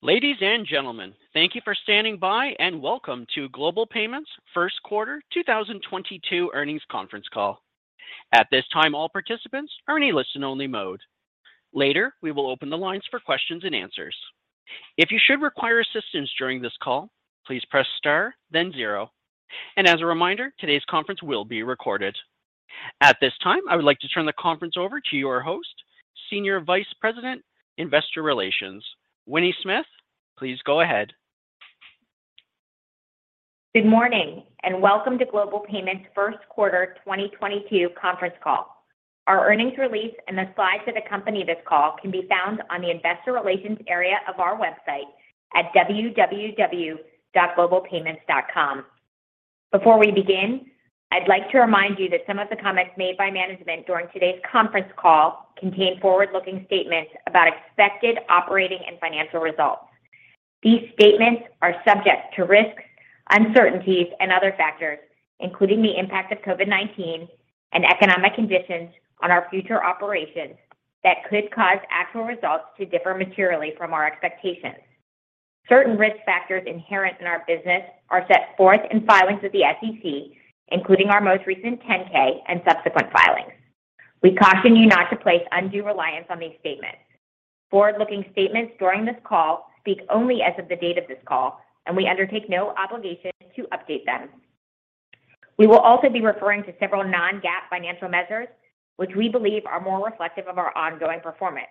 Ladies and gentlemen, thank you for standing by and Welcome to Global Payments' first quarter 2022 earnings conference call. At this time, all participants are in a listen only mode. Later, we will open the lines for questions and answers. If you should require assistance during this call, please press star then zero. As a reminder, today's conference will be recorded. At this time, I would like to turn the conference over to your host, Senior Vice President, Investor Relations. Winnie Smith, please go ahead. Good morning and Welcome to Global Payments' first quarter 2022 conference call. Our earnings release and the slides that accompany this call can be found on the investor relations area of our website at www.globalpayments.com. Before we begin, I'd like to remind you that some of the comments made by management during today's conference call contain forward-looking statements about expected operating and financial results. These statements are subject to risks, uncertainties and other factors, including the impact of COVID-19 and economic conditions on our future operations that could cause actual results to differ materially from our expectations. Certain risk factors inherent in our business are set forth in filings with the SEC, including our most recent 10-K and subsequent filings. We caution you not to place undue reliance on these statements. Forward-looking statements during this call speak only as of the date of this call, and we undertake no obligation to update them. We will also be referring to several non-GAAP financial measures which we believe are more reflective of our ongoing performance.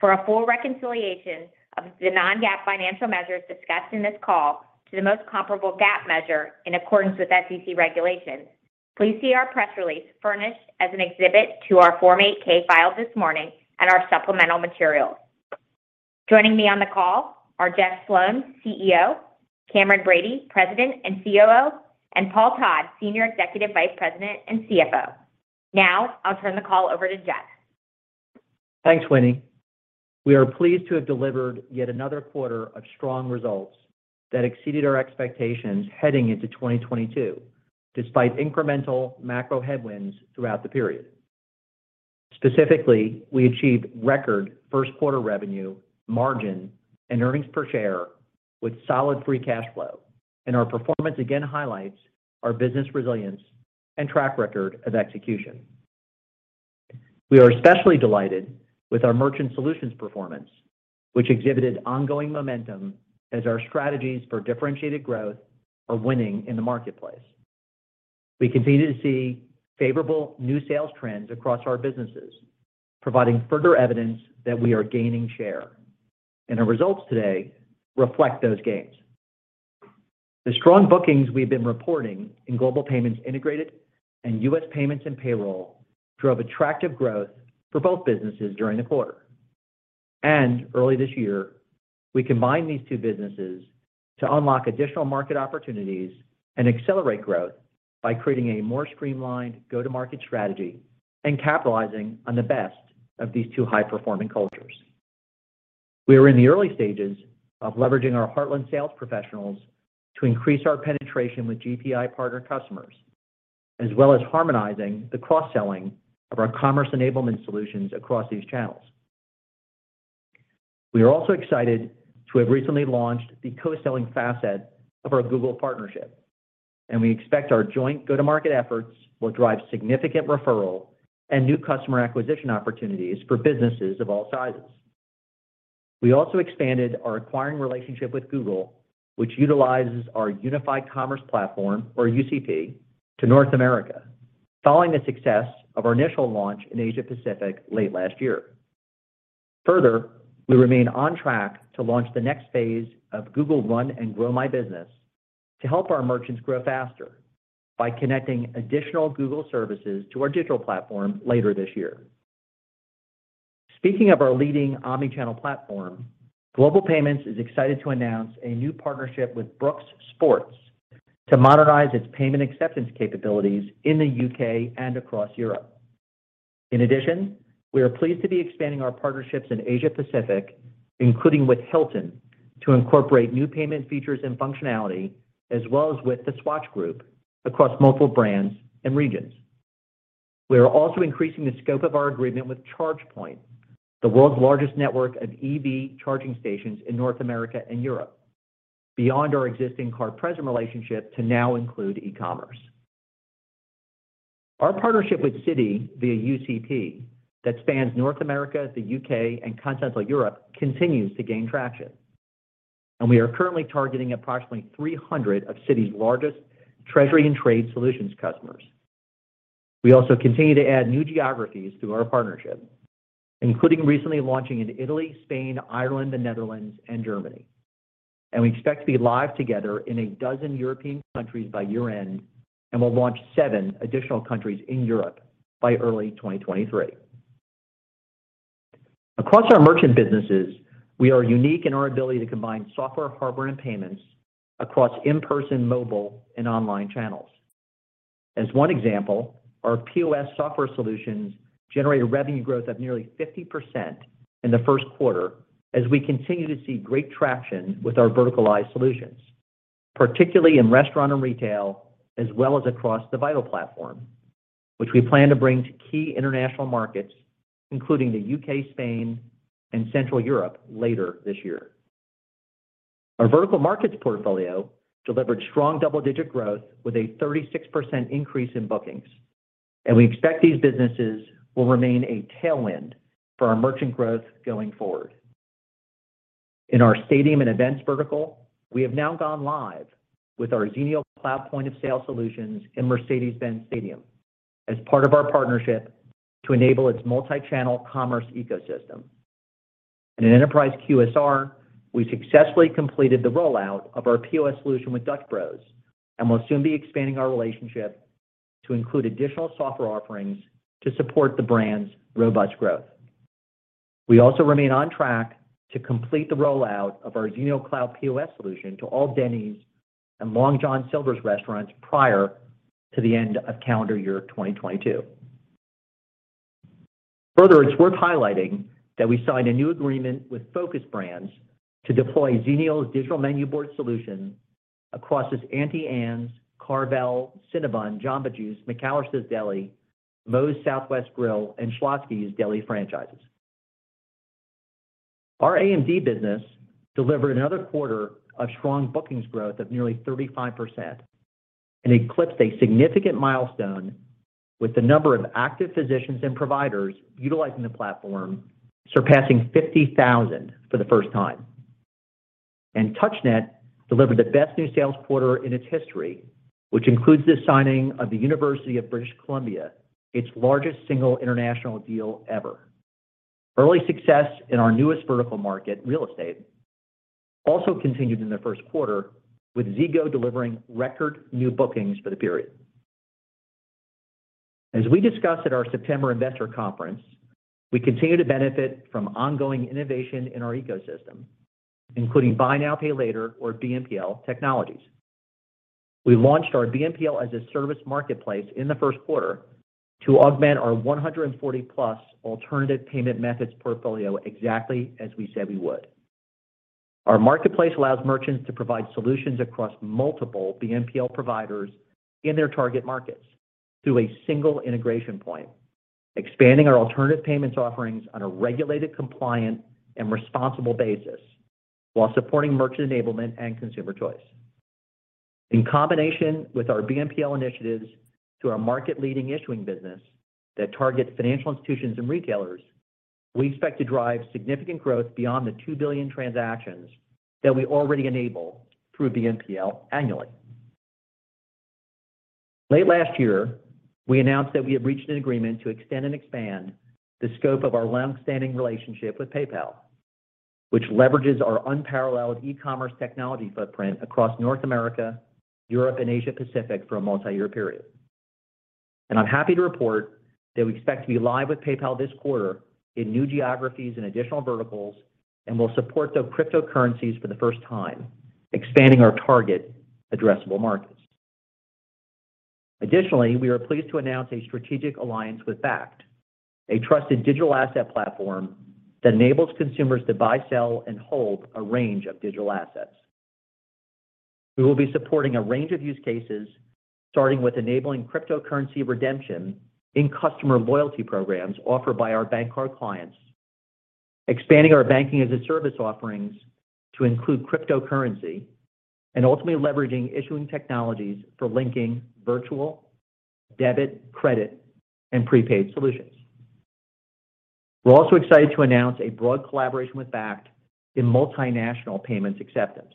For a full reconciliation of the non-GAAP financial measures discussed in this call to the most comparable GAAP measure in accordance with SEC regulations, please see our press release furnished as an exhibit to our Form 8-K filed this morning and our supplemental materials. Joining me on the call are Jeff Sloan, CEO, Cameron Bready, President and COO, and Paul Todd, Senior Executive Vice President and CFO. Now, I'll turn the call over to Jeff. Thanks, Winnie. We are pleased to have delivered yet another quarter of strong results that exceeded our expectations heading into 2022 despite incremental macro headwinds throughout the period. Specifically, we achieved record first quarter revenue, margin, and earnings per share with solid free cash flow, and our performance again highlights our business resilience and track record of execution. We are especially delighted with our merchant solutions performance, which exhibited ongoing momentum as our strategies for differentiated growth are winning in the marketplace. We continue to see favorable new sales trends across our businesses, providing further evidence that we are gaining share, and our results today reflect those gains. The strong bookings we've been reporting in Global Payments Integrated and U.S. Payments and Payroll drove attractive growth for both businesses during the quarter. Early this year, we combined these two businesses to unlock additional market opportunities and accelerate growth by creating a more streamlined go-to-market strategy and capitalizing on the best of these two high-performing cultures. We are in the early stages of leveraging our Heartland sales professionals to increase our penetration with GPI partner customers, as well as harmonizing the cross-selling of our commerce enablement solutions across these channels. We are also excited to have recently launched the co-selling facet of our Google partnership, and we expect our joint go-to-market efforts will drive significant referral and new customer acquisition opportunities for businesses of all sizes. We also expanded our acquiring relationship with Google, which utilizes our Unified Commerce Platform or UCP to North America following the success of our initial launch in Asia-Pacific late last year. Further, we remain on track to launch the next phase of Google Run and Grow My Business to help our merchants grow faster by connecting additional Google services to our digital platform later this year. Speaking of our leading omni-channel platform, Global Payments is excited to announce a new partnership with Brooks Sports to modernize its payment acceptance capabilities in the U.K. and across Europe. In addition, we are pleased to be expanding our partnerships in Asia-Pacific, including with Hilton, to incorporate new payment features and functionality, as well as with the Swatch Group across multiple brands and regions. We are also increasing the scope of our agreement with ChargePoint, the world's largest network of EV charging stations in North America and Europe beyond our existing card present relationship to now include e-commerce. Our partnership with Citi via UCP that spans North America, the U.K., and Continental Europe continues to gain traction, and we are currently targeting approximately 300 of Citi's largest treasury and trade solutions customers. We also continue to add new geographies to our partnership, including recently launching in Italy, Spain, Ireland, the Netherlands, and Germany. We expect to be live together in 12 European countries by year-end and will launch seven additional countries in Europe by early 2023. Across our merchant businesses, we are unique in our ability to combine software, hardware, and payments across in-person, mobile, and online channels. As one example, our POS software solutions generated revenue growth of nearly 50% in the first quarter as we continue to see great traction with our verticalized solutions, particularly in restaurant and retail, as well as across the Vital platform, which we plan to bring to key international markets, including the UK, Spain, and Central Europe later this year. Our vertical markets portfolio delivered strong double-digit growth with a 36% increase in bookings, and we expect these businesses will remain a tailwind for our merchant growth going forward. In our stadium and events vertical, we have now gone live with our Xenial Cloud point-of-sale solutions in Mercedes-Benz Stadium as part of our partnership to enable its multi-channel commerce ecosystem. In an enterprise QSR, we successfully completed the rollout of our POS solution with Dutch Bros, and we'll soon be expanding our relationship to include additional software offerings to support the brand's robust growth. We also remain on track to complete the rollout of our Xenial Cloud POS solution to all Denny's and Long John Silver's restaurants prior to the end of calendar year 2022. Further, it's worth highlighting that we signed a new agreement with Focus Brands to deploy Xenial's digital menu board solution across its Auntie Anne's, Carvel, Cinnabon, Jamba Juice, McAlister's Deli, Moe's Southwest Grill, and Schlotzsky's Deli franchises. Our AMD business delivered another quarter of strong bookings growth of nearly 35% and eclipsed a significant milestone with the number of active physicians and providers utilizing the platform surpassing 50,000 for the first time. TouchNet delivered the best new sales quarter in its history, which includes the signing of the University of British Columbia, its largest single international deal ever. Early success in our newest vertical market, real estate, also continued in the first quarter with Zego delivering record new bookings for the period. As we discussed at our September investor conference, we continue to benefit from ongoing innovation in our ecosystem, including Buy Now, Pay Later or BNPL technologies. We launched our BNPL as a service marketplace in the first quarter to augment our 140+ alternative payment methods portfolio exactly as we said we would. Our marketplace allows merchants to provide solutions across multiple BNPL providers in their target markets through a single integration point, expanding our alternative payments offerings on a regulated, compliant, and responsible basis while supporting merchant enablement and consumer choice. In combination with our BNPL initiatives to our market-leading issuing business that targets financial institutions and retailers, we expect to drive significant growth beyond the 2 billion transactions that we already enable through BNPL annually. Late last year, we announced that we had reached an agreement to extend and expand the scope of our long-standing relationship with PayPal, which leverages our unparalleled e-commerce technology footprint across North America, Europe, and Asia Pacific for a multi-year period. I'm happy to report that we expect to be live with PayPal this quarter in new geographies and additional verticals, and we'll support the cryptocurrencies for the first time, expanding our target addressable markets. Additionally, we are pleased to announce a strategic alliance with Bakkt, a trusted digital asset platform that enables consumers to buy, sell and hold a range of digital assets. We will be supporting a range of use cases, starting with enabling cryptocurrency redemption in customer loyalty programs offered by our bank card clients, expanding our banking-as-a-service offerings to include cryptocurrency, and ultimately leveraging issuing technologies for linking virtual, debit, credit, and prepaid solutions. We're also excited to announce a broad collaboration with Bakkt in multinational payments acceptance.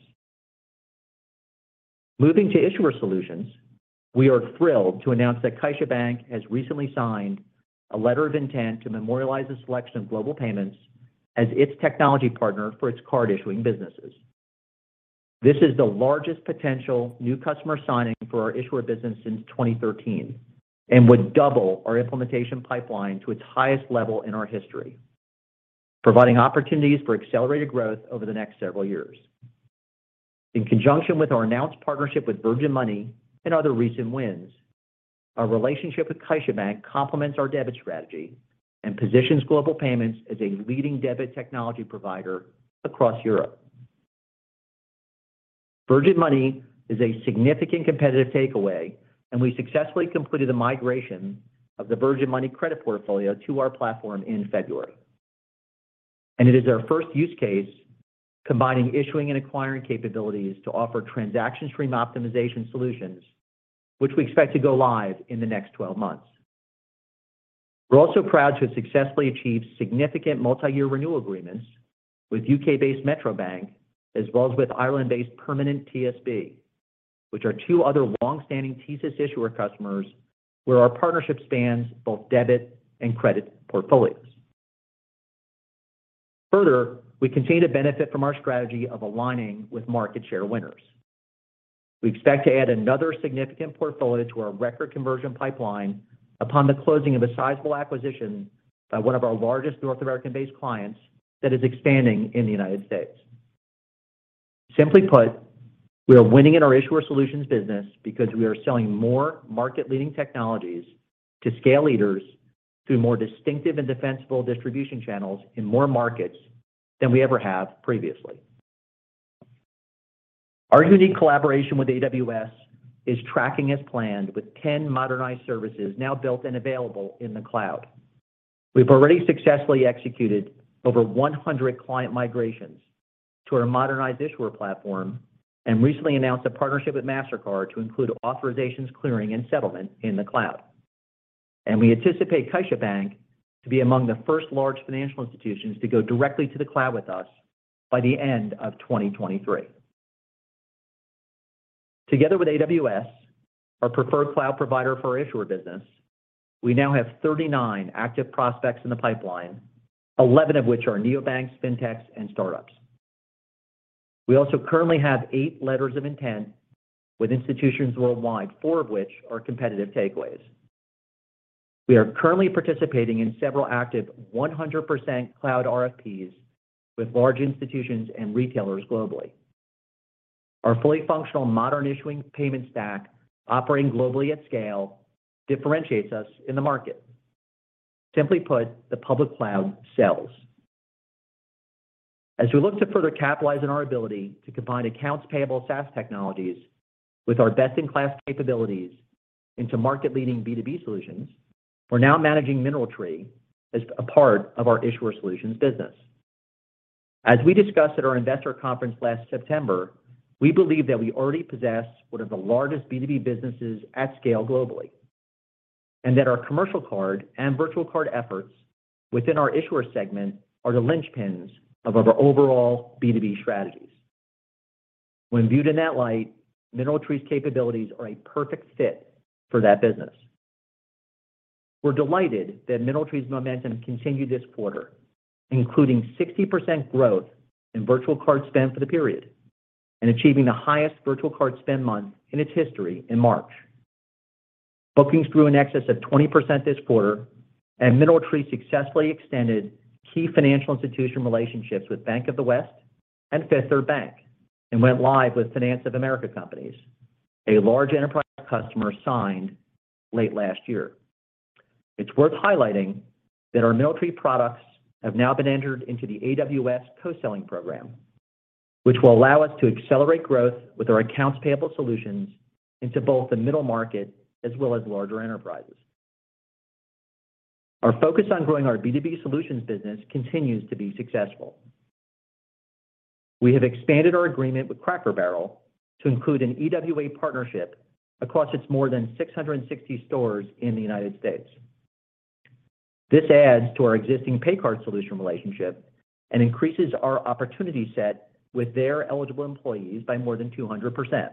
Moving to issuer solutions, we are thrilled to announce that CaixaBank has recently signed a letter of intent to memorialize the selection of Global Payments as its technology partner for its card issuing businesses. This is the largest potential new customer signing for our issuer business since 2013 and would double our implementation pipeline to its highest level in our history, providing opportunities for accelerated growth over the next several years. In conjunction with our announced partnership with Virgin Money and other recent wins, our relationship with CaixaBank complements our debit strategy and positions Global Payments as a leading debit technology provider across Europe. Virgin Money is a significant competitive takeaway, and we successfully completed the migration of the Virgin Money credit portfolio to our platform in February. It is our first use case combining issuing and acquiring capabilities to offer transaction stream optimization solutions, which we expect to go live in the next 12 months. We're also proud to have successfully achieved significant multi-year renewal agreements with UK-based Metro Bank as well as with Ireland-based Permanent TSB, which are two other long-standing TSYS issuer customers where our partnership spans both debit and credit portfolios. Further, we continue to benefit from our strategy of aligning with market share winners. We expect to add another significant portfolio to our record conversion pipeline upon the closing of a sizable acquisition by one of our largest North American-based clients that is expanding in the United States. Simply put, we are winning in our issuer solutions business because we are selling more market-leading technologies to scale leaders through more distinctive and defensible distribution channels in more markets than we ever have previously. Our unique collaboration with AWS is tracking as planned with 10 modernized services now built and available in the cloud. We've already successfully executed over 100 client migrations to our modernized issuer platform and recently announced a partnership with Mastercard to include authorizations, clearing, and settlement in the cloud. We anticipate CaixaBank to be among the first large financial institutions to go directly to the cloud with us by the end of 2023. Together with AWS, our preferred cloud provider for issuer business, we now have 39 active prospects in the pipeline, 11 of which are neobanks, fintechs and startups. We also currently have eight letters of intent with institutions worldwide, four of which are competitive takeaways. We are currently participating in several active 100% cloud RFPs with large institutions and retailers globally. Our fully functional modern issuing payment stack operating globally at scale differentiates us in the market. Simply put, the public cloud sells. As we look to further capitalize on our ability to combine accounts payable SaaS technologies with our best-in-class capabilities into market-leading B2B solutions, we're now managing MineralTree as a part of our issuer solutions business. As we discussed at our investor conference last September, we believe that we already possess one of the largest B2B businesses at scale globally, and that our commercial card and virtual card efforts within our issuer segment are the linchpins of our overall B2B strategies. When viewed in that light, MineralTree's capabilities are a perfect fit for that business. We're delighted that MineralTree's momentum continued this quarter, including 60% growth in virtual card spend for the period and achieving the highest virtual card spend month in its history in March. Bookings grew in excess of 20% this quarter, and MineralTree successfully extended key financial institution relationships with Bank of the West and Fifth Third Bank and went live with Finance of America Companies. A large enterprise customer signed late last year. It's worth highlighting that our MineralTree products have now been entered into the AWS co-selling program, which will allow us to accelerate growth with our accounts payable solutions into both the middle market as well as larger enterprises. Our focus on growing our B2B solutions business continues to be successful. We have expanded our agreement with Cracker Barrel to include an EWA partnership across its more than 660 stores in the United States. This adds to our existing pay card solution relationship and increases our opportunity set with their eligible employees by more than 200%.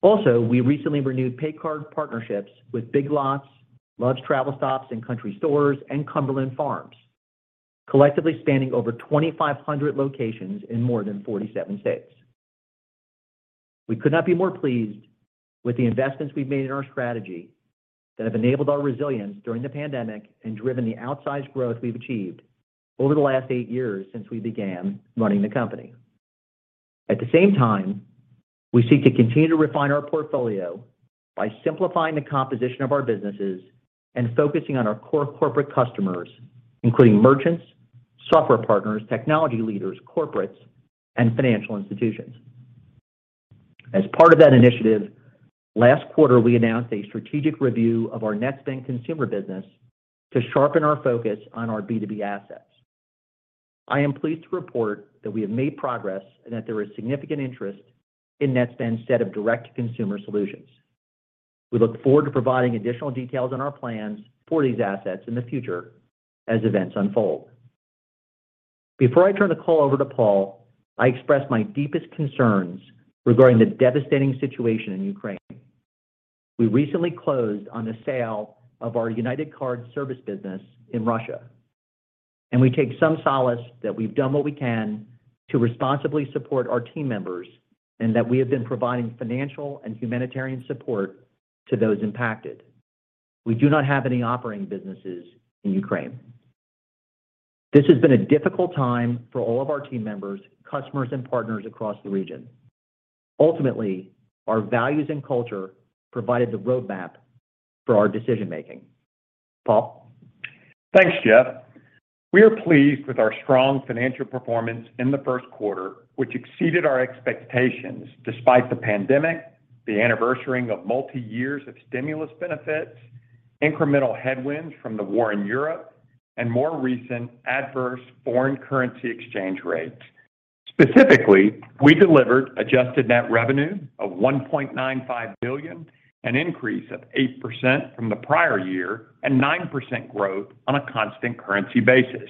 Also, we recently renewed pay card partnerships with Big Lots, Love's Travel Stops & Country Stores, and Cumberland Farms, collectively spanning over 2,500 locations in more than 47 states. We could not be more pleased with the investments we've made in our strategy that have enabled our resilience during the pandemic and driven the outsized growth we've achieved over the last eight years since we began running the company. At the same time, we seek to continue to refine our portfolio by simplifying the composition of our businesses and focusing on our core corporate customers, including merchants, software partners, technology leaders, corporates, and financial institutions. As part of that initiative, last quarter we announced a strategic review of our Netspend consumer business to sharpen our focus on our B2B assets. I am pleased to report that we have made progress and that there is significant interest in Netspend's set of direct-to-consumer solutions. We look forward to providing additional details on our plans for these assets in the future as events unfold. Before I turn the call over to Paul, I express my deepest concerns regarding the devastating situation in Ukraine. We recently closed on the sale of our United Card Service business in Russia, and we take some solace that we've done what we can to responsibly support our team members, and that we have been providing financial and humanitarian support to those impacted. We do not have any operating businesses in Ukraine. This has been a difficult time for all of our team members, customers, and partners across the region. Ultimately, our values and culture provided the roadmap for our decision-making. Paul. Thanks, Jeff. We are pleased with our strong financial performance in the first quarter, which exceeded our expectations despite the pandemic, the anniversarying of multiyears of stimulus benefits, incremental headwinds from the war in Europe, and more recent adverse foreign currency exchange rates. Specifically, we delivered adjusted net revenue of $1.95 billion, an increase of 8% from the prior year, and 9% growth on a constant currency basis.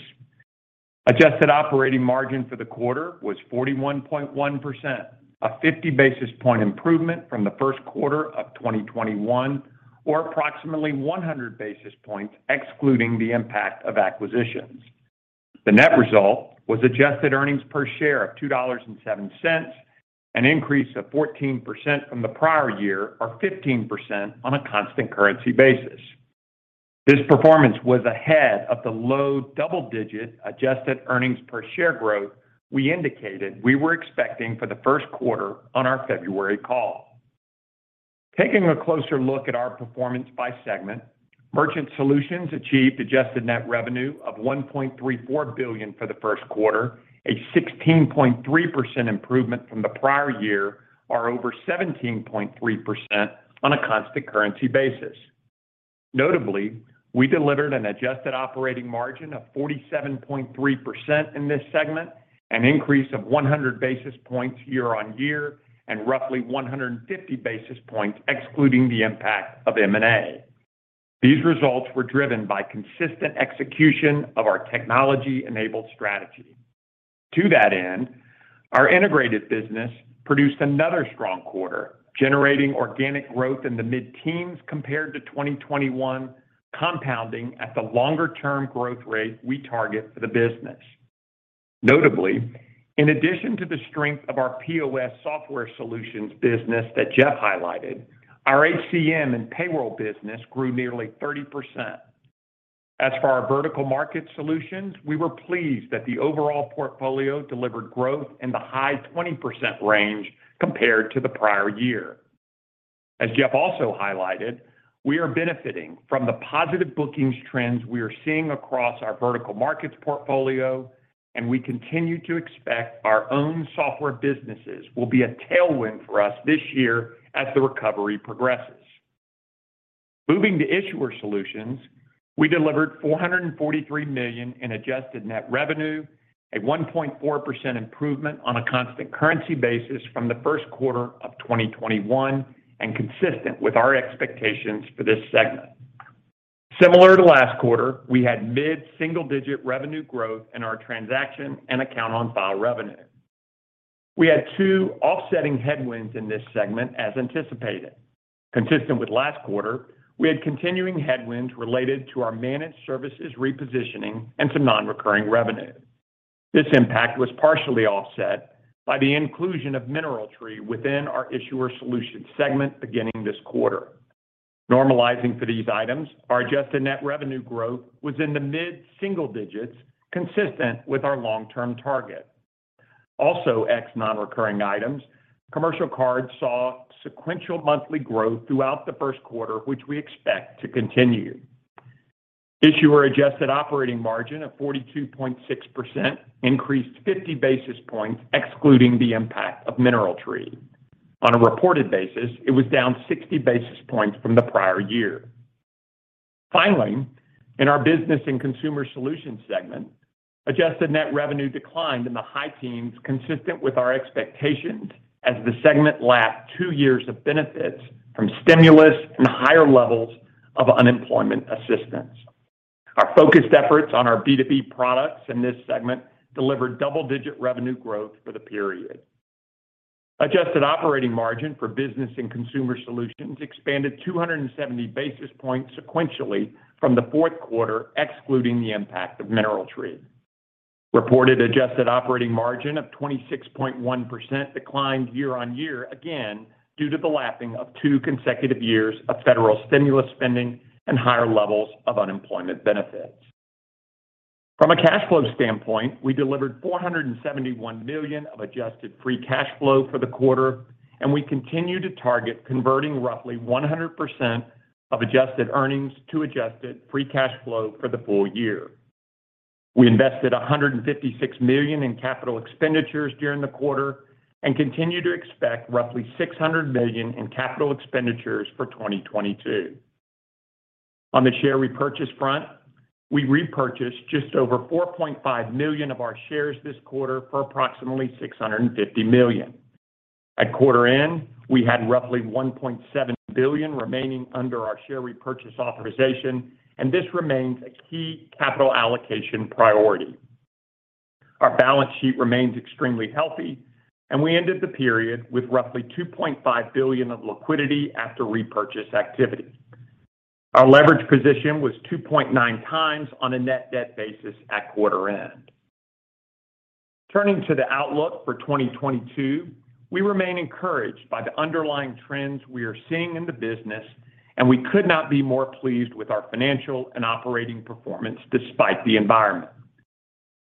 Adjusted operating margin for the quarter was 41.1%, a 50 basis point improvement from the first quarter of 2021, or approximately 100 basis points excluding the impact of acquisitions. The net result was adjusted earnings per share of $2.07, an increase of 14% from the prior year, or 15% on a constant currency basis. This performance was ahead of the low double-digit adjusted earnings per share growth we indicated we were expecting for the first quarter on our February call. Taking a closer look at our performance by segment, Merchant Solutions achieved adjusted net revenue of $1.34 billion for the first quarter, a 16.3% improvement from the prior year, or over 17.3% on a constant currency basis. Notably, we delivered an adjusted operating margin of 47.3% in this segment, an increase of 100 basis points year-on-year, and roughly 150 basis points excluding the impact of M&A. These results were driven by consistent execution of our technology-enabled strategy. To that end, our integrated business produced another strong quarter, generating organic growth in the mid-teens compared to 2021, compounding at the longer-term growth rate we target for the business. Notably, in addition to the strength of our POS software solutions business that Jeff highlighted, our HCM and payroll business grew nearly 30%. As for our vertical market solutions, we were pleased that the overall portfolio delivered growth in the high 20% range compared to the prior year. As Jeff also highlighted, we are benefiting from the positive bookings trends we are seeing across our vertical markets portfolio, and we continue to expect our own software businesses will be a tailwind for us this year as the recovery progresses. Moving to Issuer Solutions, we delivered $443 million in adjusted net revenue, a 1.4% improvement on a constant currency basis from the first quarter of 2021 and consistent with our expectations for this segment. Similar to last quarter, we had mid-single-digit revenue growth in our transaction and account on file revenue. We had two offsetting headwinds in this segment as anticipated. Consistent with last quarter, we had continuing headwinds related to our managed services repositioning and some non-recurring revenue. This impact was partially offset by the inclusion of MineralTree within our Issuer Solutions segment beginning this quarter. Normalizing for these items, our adjusted net revenue growth was in the mid-single digits, consistent with our long-term target. Also ex non-recurring items, commercial cards saw sequential monthly growth throughout the first quarter, which we expect to continue. Issuer adjusted operating margin of 42.6% increased 50 basis points excluding the impact of MineralTree. On a reported basis, it was down 60 basis points from the prior year. Finally, in our Business and Consumer Solutions segment, adjusted net revenue declined in the high teens consistent with our expectations as the segment lacked two years of benefits from stimulus and higher levels of unemployment assistance. Our focused efforts on our B2B products in this segment delivered double-digit revenue growth for the period. Adjusted operating margin for Business and Consumer Solutions expanded 270 basis points sequentially from the fourth quarter, excluding the impact of MineralTree. Reported adjusted operating margin of 26.1% declined year-over-year again due to the lapping of two consecutive years of federal stimulus spending and higher levels of unemployment benefits. From a cash flow standpoint, we delivered $471 million of adjusted free cash flow for the quarter, and we continue to target converting roughly 100% of adjusted earnings to adjusted free cash flow for the full year. We invested $156 million in capital expenditures during the quarter and continue to expect roughly $600 million in capital expenditures for 2022. On the share repurchase front, we repurchased just over 4.5 million of our shares this quarter for approximately $650 million. At quarter end, we had roughly $1.7 billion remaining under our share repurchase authorization, and this remains a key capital allocation priority. Our balance sheet remains extremely healthy, and we ended the period with roughly $2.5 billion of liquidity after repurchase activity. Our leverage position was 2.9x on a net debt basis at quarter end. Turning to the outlook for 2022, we remain encouraged by the underlying trends we are seeing in the business, and we could not be more pleased with our financial and operating performance despite the environment.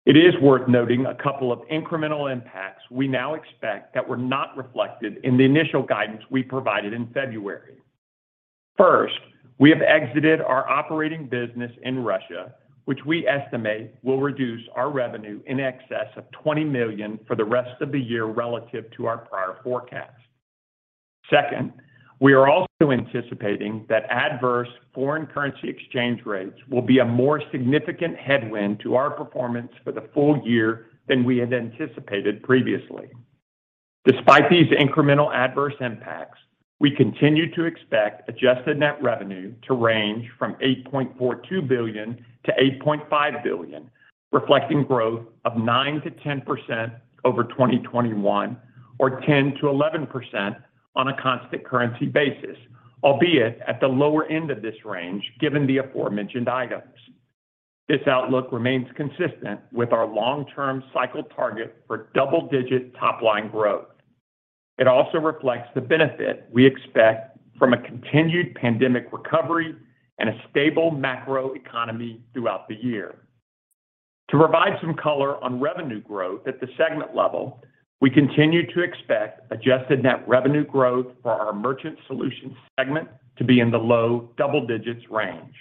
It is worth noting a couple of incremental impacts we now expect that were not reflected in the initial guidance we provided in February. First, we have exited our operating business in Russia, which we estimate will reduce our revenue in excess of $20 million for the rest of the year relative to our prior forecast. Second, we are also anticipating that adverse foreign currency exchange rates will be a more significant headwind to our performance for the full year than we had anticipated previously. Despite these incremental adverse impacts, we continue to expect adjusted net revenue to range from $8.42 billion-$8.5 billion, reflecting growth of 9%-10% over 2021 or 10%-11% on a constant currency basis, albeit at the lower end of this range given the aforementioned items. This outlook remains consistent with our long-term cycle target for double-digit top-line growth. It also reflects the benefit we expect from a continued pandemic recovery and a stable macroeconomy throughout the year. To provide some color on revenue growth at the segment level, we continue to expect adjusted net revenue growth for our Merchant Solutions segment to be in the low double-digits range.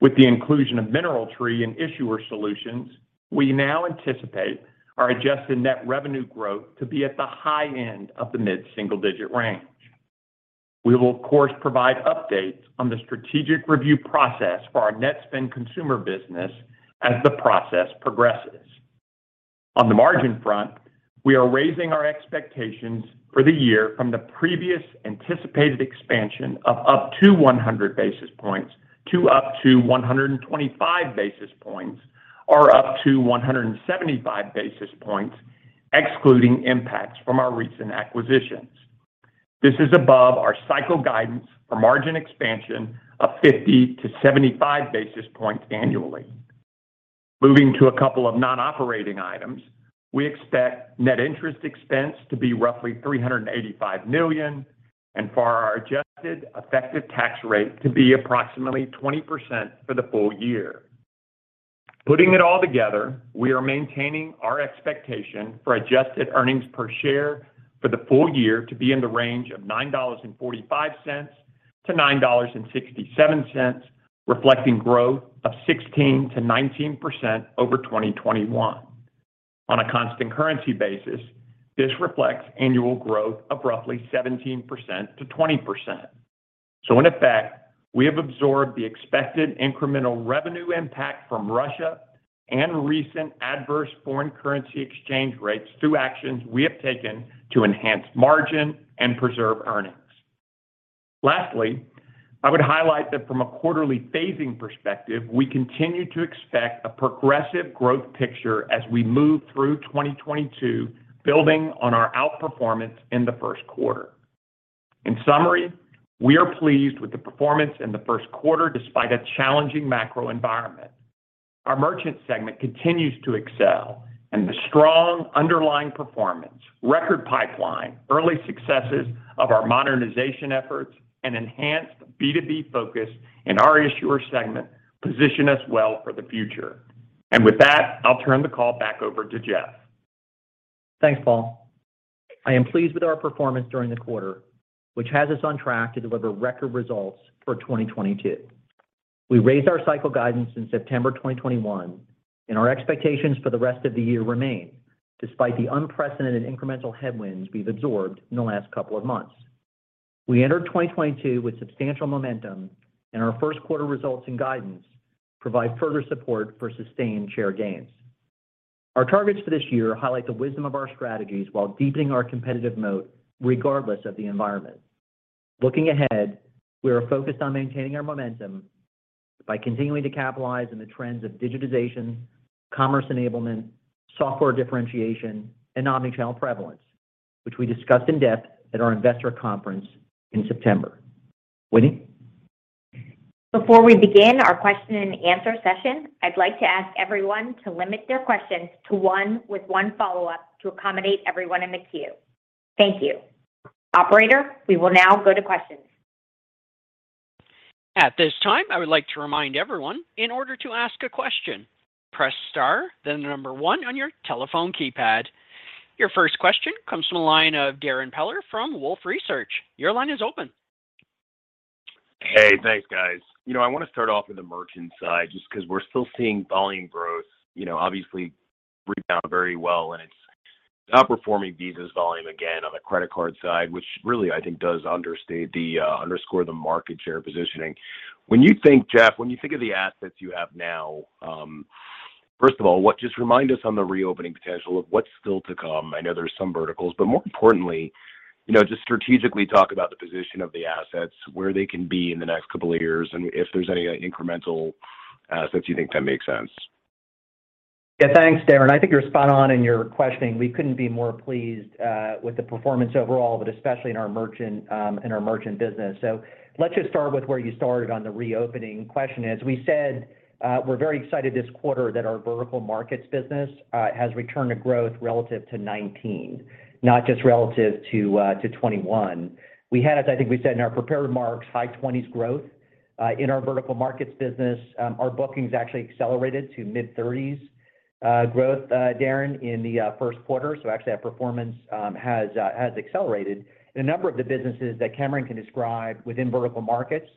With the inclusion of MineralTree and Issuer Solutions, we now anticipate our adjusted net revenue growth to be at the high end of the mid-single-digit range. We will of course provide updates on the strategic review process for our Netspend consumer business as the process progresses. On the margin front, we are raising our expectations for the year from the previous anticipated expansion of up to 100 basis points to up to 125 basis points or up to 175 basis points, excluding impacts from our recent acquisitions. This is above our cycle guidance for margin expansion of 50-75 basis points annually. Moving to a couple of non-operating items, we expect net interest expense to be roughly $385 million, and for our adjusted effective tax rate to be approximately 20% for the full year. Putting it all together, we are maintaining our expectation for adjusted earnings per share for the full year to be in the range of $9.45-$9.67, reflecting growth of 16%-19% over 2021. On a constant currency basis, this reflects annual growth of roughly 17%-20%. In effect, we have absorbed the expected incremental revenue impact from Russia and recent adverse foreign currency exchange rates through actions we have taken to enhance margin and preserve earnings. Lastly, I would highlight that from a quarterly phasing perspective, we continue to expect a progressive growth picture as we move through 2022, building on our outperformance in the first quarter. In summary, we are pleased with the performance in the first quarter despite a challenging macro environment. Our merchant segment continues to excel, and the strong underlying performance, record pipeline, early successes of our modernization efforts, and enhanced B2B focus in our issuer segment position us well for the future. With that, I'll turn the call back over to Jeff. Thanks, Paul. I am pleased with our performance during the quarter, which has us on track to deliver record results for 2022. We raised our cycle guidance in September 2021, and our expectations for the rest of the year remain, despite the unprecedented incremental headwinds we've absorbed in the last couple of months. We entered 2022 with substantial momentum, and our first quarter results and guidance provide further support for sustained share gains. Our targets for this year highlight the wisdom of our strategies while deepening our competitive moat regardless of the environment. Looking ahead, we are focused on maintaining our momentum by continuing to capitalize on the trends of digitization, commerce enablement, software differentiation, and omnichannel prevalence, which we discussed in depth at our investor conference in September. Whitney? Before we begin our question and answer session, I'd like to ask everyone to limit their questions to one with one follow-up to accommodate everyone in the queue. Thank you. Operator, we will now go to questions. At this time, I would like to remind everyone, in order to ask a question, press star then the number one on your telephone keypad. Your first question comes from the line of Darrin Peller from Wolfe Research. Your line is open. Hey, thanks guys. You know, I want to start off with the merchant side just 'cause we're still seeing volume growth, you know, obviously rebound very well, and it's outperforming Visa’s volume again on the credit card side, which really I think does underscore the market share positioning. When you think, Jeff, of the assets you have now, first of all, just remind us on the reopening potential of what's still to come? I know there's some verticals, but more importantly, you know, just strategically talk about the position of the assets, where they can be in the next couple of years, and if there's any incremental assets you think that makes sense? Yeah, thanks, Darrin. I think you're spot on in your questioning. We couldn't be more pleased with the performance overall, but especially in our merchant business. Let's just start with where you started on the reopening question. As we said, we're very excited this quarter that our vertical markets business has returned to growth relative to 2019, not just relative to 2021. We had, as I think we said in our prepared remarks, high 20s growth in our vertical markets business. Our bookings actually accelerated to mid-30s growth, Darrin, in the first quarter. Actually our performance has accelerated. In a number of the businesses that Cameron can describe within vertical markets,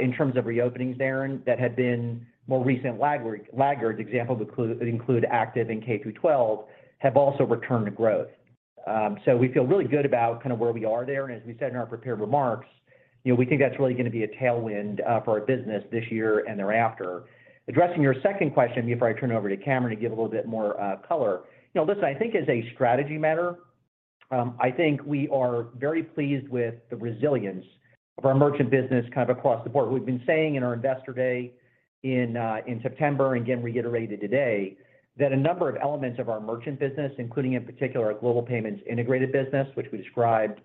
in terms of reopenings, Darrin, that had been more recent laggards, examples include ACTIVE Network and K-12, have also returned to growth. We feel really good about kind of where we are there. As we said in our prepared remarks, you know, we think that's really going to be a tailwind for our business this year and thereafter. Addressing your second question, before I turn it over to Cameron to give a little bit more color. You know, listen, I think as a strategic matter, I think we are very pleased with the resilience of our merchant business kind of across the board. We've been saying in our investor day in September and again reiterated today that a number of elements of our merchant business, including in particular our Global Payments Integrated business, which we described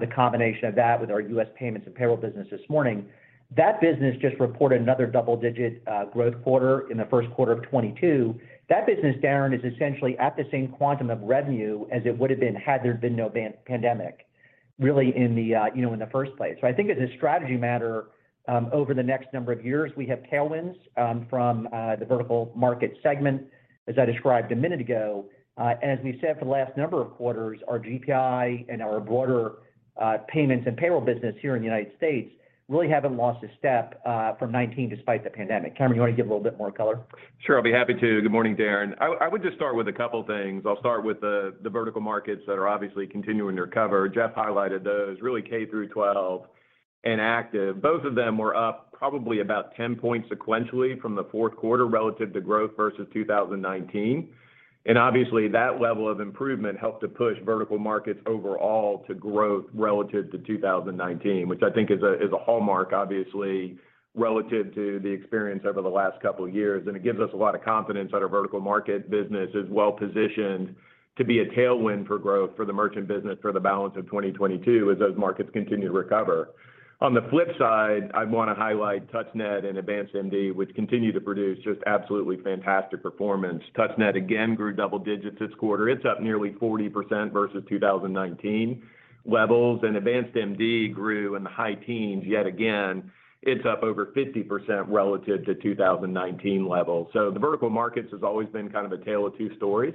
the combination of that with our U.S. payments and payroll business this morning. That business just reported another double-digit growth quarter in the first quarter of 2022. That business, Darren, is essentially at the same quantum of revenue as it would have been had there been no pandemic. Really in the, you know, in the first place. I think as a strategy matter, over the next number of years, we have tailwinds from the vertical market segment, as I described a minute ago. As we've said for the last number of quarters, our GPI and our broader payments and payroll business here in the United States really haven't lost a step from 2019 despite the pandemic. Cameron, you want to give a little bit more color? Sure. I'll be happy to. Good morning, Darrin. I would just start with a couple of things. I'll start with the vertical markets that are obviously continuing to recover. Jeff highlighted those, really K-12 and ACTIVE. Both of them were up probably about 10 points sequentially from the fourth quarter relative to growth versus 2019. Obviously, that level of improvement helped to push vertical markets overall to growth relative to 2019. Which I think is a hallmark, obviously, relative to the experience over the last couple of years. It gives us a lot of confidence that our vertical market business is well-positioned to be a tailwind for growth for the merchant business for the balance of 2022 as those markets continue to recover. On the flip side, I'd want to highlight TouchNet and AdvancedMD, which continue to produce just absolutely fantastic performance. TouchNet again grew double digits this quarter. It's up nearly 40% vs 2019 levels. AdvancedMD grew in the high teens yet again. It's up over 50% relative to 2019 levels. The vertical markets has always been kind of a tale of two stories,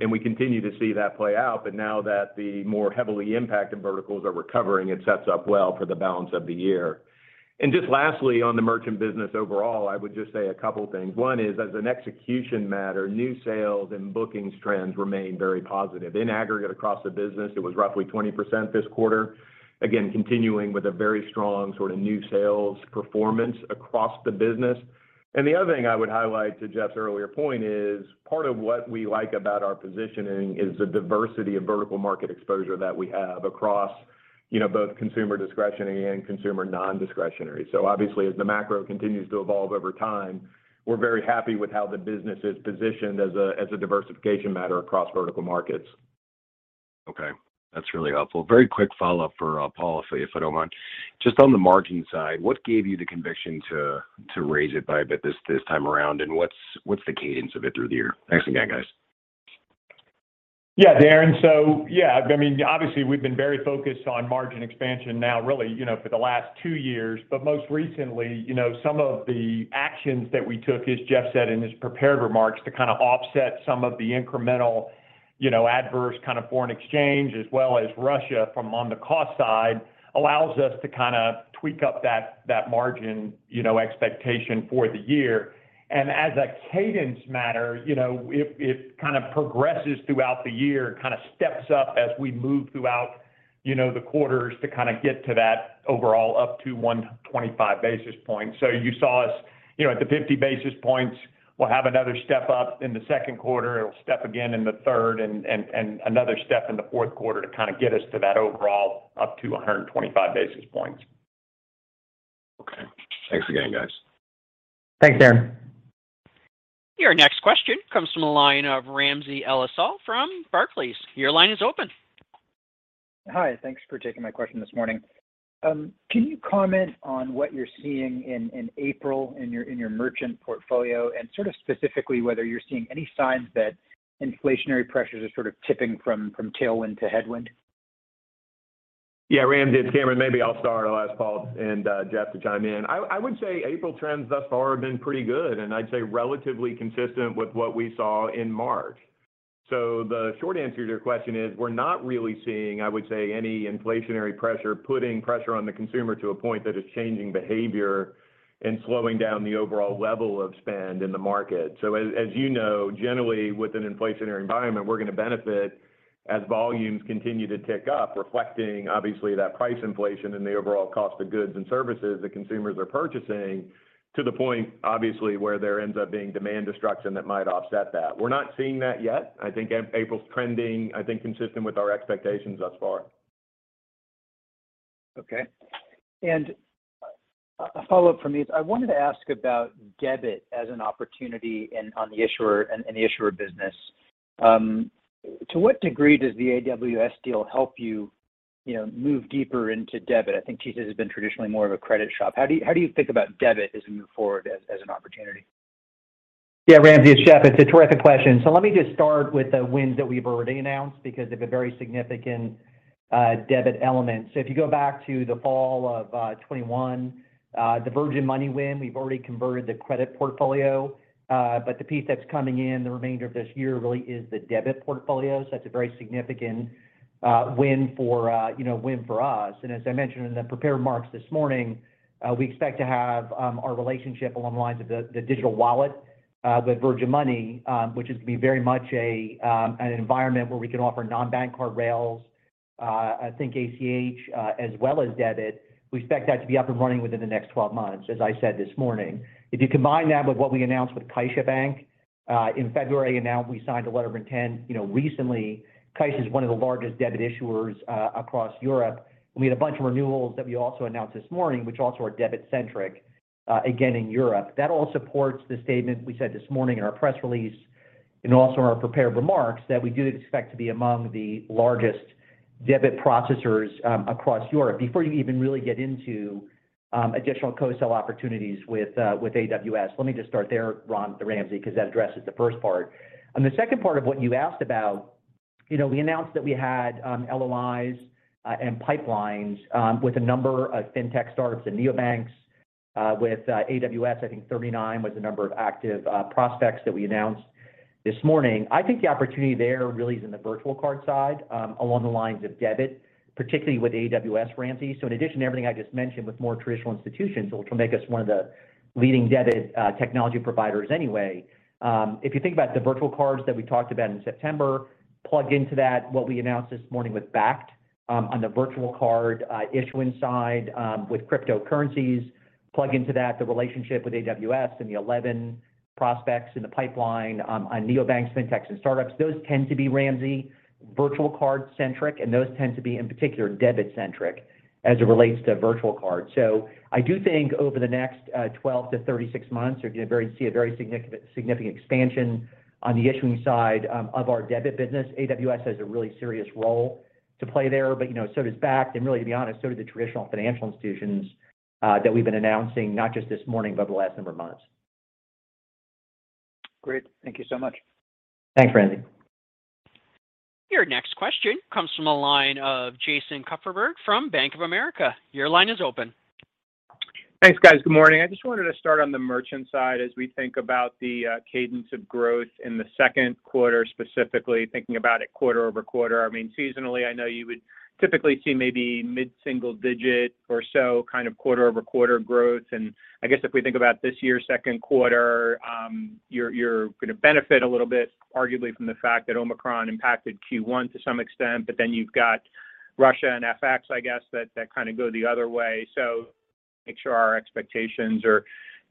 and we continue to see that play out. Now that the more heavily impacted verticals are recovering, it sets up well for the balance of the year. Just lastly, on the merchant business overall, I would just say a couple of things. One is as an execution matter, new sales and bookings trends remain very positive. In aggregate across the business, it was roughly 20% this quarter. Again, continuing with a very strong sort of new sales performance across the business. The other thing I would highlight to Jeff's earlier point is part of what we like about our positioning is the diversity of vertical market exposure that we have across, you know, both consumer discretionary and consumer non-discretionary. Obviously, as the macro continues to evolve over time, we're very happy with how the business is positioned as a, as a diversification matter across vertical markets. Okay, that's really helpful. Very quick follow-up for Paul for you, if I don't mind. Just on the margin side, what gave you the conviction to raise it by a bit this time around? What's the cadence of it through the year? Thanks again, guys. Yeah, Darrin. Yeah, I mean, obviously we've been very focused on margin expansion now, really, you know, for the last two years. Most recently, you know, some of the actions that we took, as Jeff said in his prepared remarks, to kind of offset some of the incremental, you know, adverse kind of foreign exchange, as well as Russia on the cost side, allows us to kind of tweak up that margin, you know, expectation for the year. As a cadence matter, you know, it kind of progresses throughout the year, kind of steps up as we move throughout, you know, the quarters to kind of get to that overall up to 125 basis points. You saw us, you know, at the 50 basis points. We'll have another step up in the second quarter. It'll step again in the third and another step in the fourth quarter to kind of get us to that overall up to 125 basis points. Okay. Thanks again, guys. Thanks, Darrin. Your next question comes from the line of Ramsey El-Assal from Barclays. Your line is open. Hi. Thanks for taking my question this morning. Can you comment on what you're seeing in April in your merchant portfolio? Sort of specifically whether you're seeing any signs that inflationary pressures are sort of tipping from tailwind to headwind. Yeah, Ramsey, it's Cameron. Maybe I'll start. I'll ask Paul and Jeff to chime in. I would say April trends thus far have been pretty good, and I'd say relatively consistent with what we saw in March. The short answer to your question is we're not really seeing, I would say, any inflationary pressure putting pressure on the consumer to a point that is changing behavior and slowing down the overall level of spend in the market. As you know, generally with an inflationary environment, we're going to benefit as volumes continue to tick up, reflecting obviously that price inflation and the overall cost of goods and services that consumers are purchasing to the point, obviously, where there ends up being demand destruction that might offset that. We're not seeing that yet. I think April's trending, I think, consistent with our expectations thus far. Okay. A follow-up from me is I wanted to ask about debit as an opportunity in the issuer business. To what degree does the AWS deal help you know, move deeper into debit? I think Chase has been traditionally more of a credit shop. How do you think about debit as we move forward as an opportunity? Yeah, Ramsey, it's Jeff. It's a terrific question. Let me just start with the wins that we've already announced because they've a very significant debit element. If you go back to the fall of 2021, the Virgin Money win, we've already converted the credit portfolio. But the piece that's coming in the remainder of this year really is the debit portfolio. That's a very significant win for, you know, win for us. As I mentioned in the prepared remarks this morning, we expect to have our relationship along the lines of the digital wallet with Virgin Money, which is to be very much an environment where we can offer non-bank card rails, I think ACH, as well as debit. We expect that to be up and running within the next 12 months, as I said this morning. If you combine that with what we announced with CaixaBank in February, and now we signed a letter of intent, you know, recently. CaixaBank is one of the largest debit issuers across Europe. We had a bunch of renewals that we also announced this morning, which also are debit-centric again in Europe. That all supports the statement we said this morning in our press release and also in our prepared remarks that we do expect to be among the largest debit processors across Europe before you even really get into additional co-sell opportunities with AWS. Let me just start there, Ramsey, because that addresses the first part. On the second part of what you asked about. You know, we announced that we had LOIs and pipelines with a number of fintech startups and neobanks with AWS. I think 39 was the number of active prospects that we announced this morning. I think the opportunity there really is in the virtual card side along the lines of debit, particularly with AWS, Ramsey. In addition to everything I just mentioned with more traditional institutions, which will make us one of the leading debit technology providers anyway. If you think about the virtual cards that we talked about in September, plug into that what we announced this morning with Bakkt on the virtual card issuing side with cryptocurrencies. Plug into that the relationship with AWS and the 11 prospects in the pipeline on neobanks, fintechs and startups. Those tend to be, Ramzi, virtual card-centric, and those tend to be, in particular, debit-centric as it relates to virtual cards. I do think over the next 12-36 months, you're gonna see a very significant expansion on the issuing side of our debit business. AWS has a really serious role to play there, but, you know, so does Bakkt. Really, to be honest, so do the traditional financial institutions that we've been announcing not just this morning, but the last number of months. Great. Thank you so much. Thanks, Ramsey. Your next question comes from the line of Jason Kupferberg from Bank of America. Your line is open. Thanks, guys. Good morning. I just wanted to start on the merchant side as we think about the cadence of growth in the second quarter, specifically thinking about it quarter-over-quarter. I mean, seasonally, I know you would typically see maybe mid-single-digit or so kind of quarter-over-quarter growth. I guess if we think about this year's second quarter, you're gonna benefit a little bit, arguably from the fact that Omicron impacted Q1 to some extent. But then you've got Russia and FX, I guess, that kind of go the other way. Make sure our expectations are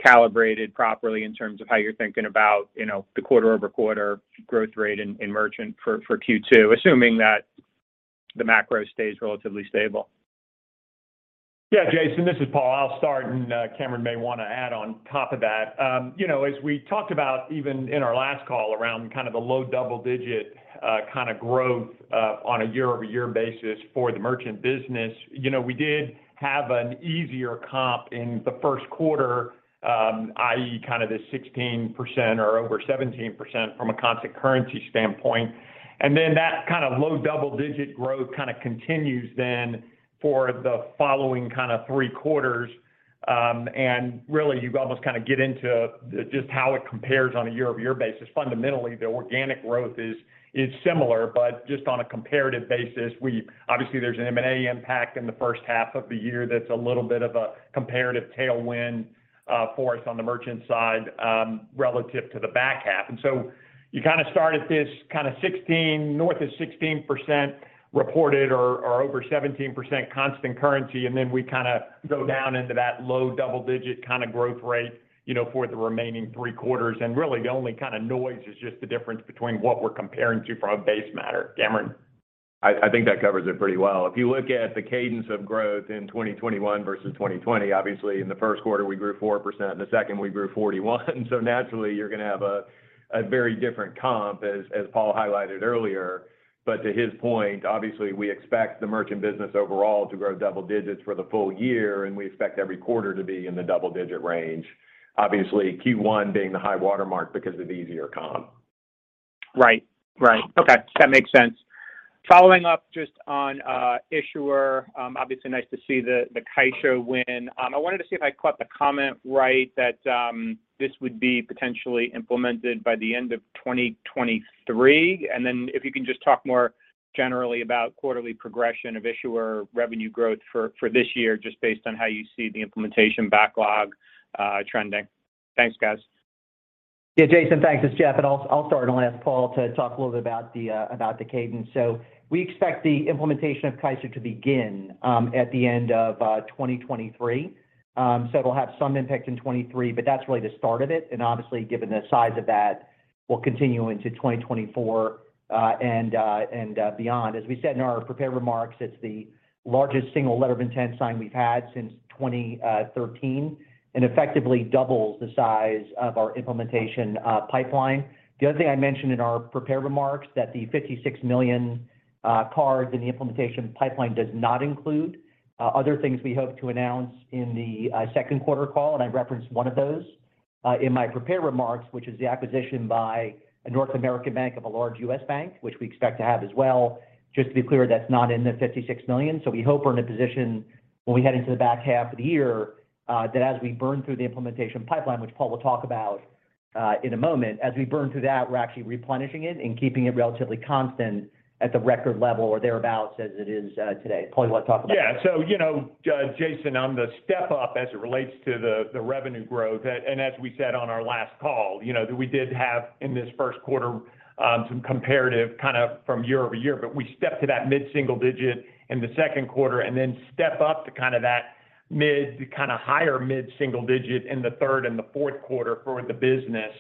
calibrated properly in terms of how you're thinking about, you know, the quarter-over-quarter growth rate in merchant for Q2, assuming that the macro stays relatively stable. Yeah, Jason, this is Paul. I'll start, and Cameron may want to add on top of that. You know, as we talked about even in our last call around kind of the low double-digit kind of growth on a year-over-year basis for the merchant business. You know, we did have an easier comp in the first quarter, i.e., kind of this 16% or over 17% from a constant currency standpoint. Then that kind of low double-digit growth kind of continues then for the following kind of three quarters. And really, you almost kind of get into just how it compares on a year-over-year basis. Fundamentally, the organic growth is similar, but just on a comparative basis, we obviously, there's an M&A impact in the first half of the year that's a little bit of a comparative tailwind for us on the merchant side relative to the back half. You kind of start at this kind of 16, north of 16% reported or over 17% constant currency. Then we kind of go down into that low double-digit kind of growth rate, you know, for the remaining three quarters. Really, the only kind of noise is just the difference between what we're comparing to from a base matter. Cameron? I think that covers it pretty well. If you look at the cadence of growth in 2021 versus 2020, obviously in the first quarter we grew 4%, in the second we grew 41%. Naturally you're going to have a very different comp, as Paul highlighted earlier. To his point, obviously we expect the merchant business overall to grow double digits for the full year, and we expect every quarter to be in the double-digit range. Obviously Q1 being the high watermark because of easier comp. Right. Okay. That makes sense. Following up just on issuer, obviously nice to see the Caixa win. I wanted to see if I caught the comment right that this would be potentially implemented by the end of 2023. If you can just talk more generally about quarterly progression of issuer revenue growth for this year, just based on how you see the implementation backlog trending. Thanks, guys. Yeah, Jason. Thanks. It's Jeff, and I'll start and I'll ask Paul to talk a little bit about the cadence. We expect the implementation of Caixa to begin at the end of 2023. It'll have some impact in 2023, but that's really the start of it. Given the size of that, we'll continue into 2024 and beyond. As we said in our prepared remarks, it's the largest single letter of intent sign we've had since 2013, and effectively doubles the size of our implementation pipeline. The other thing I mentioned in our prepared remarks, that the 56 million cards in the implementation pipeline does not include other things we hope to announce in the second quarter call. I referenced one of those in my prepared remarks, which is the acquisition by a North American bank of a large U.S. bank, which we expect to have as well. Just to be clear, that's not in the $56 million. We hope we're in a position when we head into the back half of the year that as we burn through the implementation pipeline, which Paul will talk about in a moment. As we burn through that, we're actually replenishing it and keeping it relatively constant at the record level or thereabouts, as it is today. Paul, you want to talk about that? Yeah. You know, Jason, on the step-up as it relates to the revenue growth, and as we said on our last call, you know, that we did have in this first quarter some comparatively kind of from year-over-year, but we step up to that mid-single-digit percentage in the second quarter and then step up to kind of that mid- to kind of higher mid-single-digit percentage in the third and the fourth quarter for the business.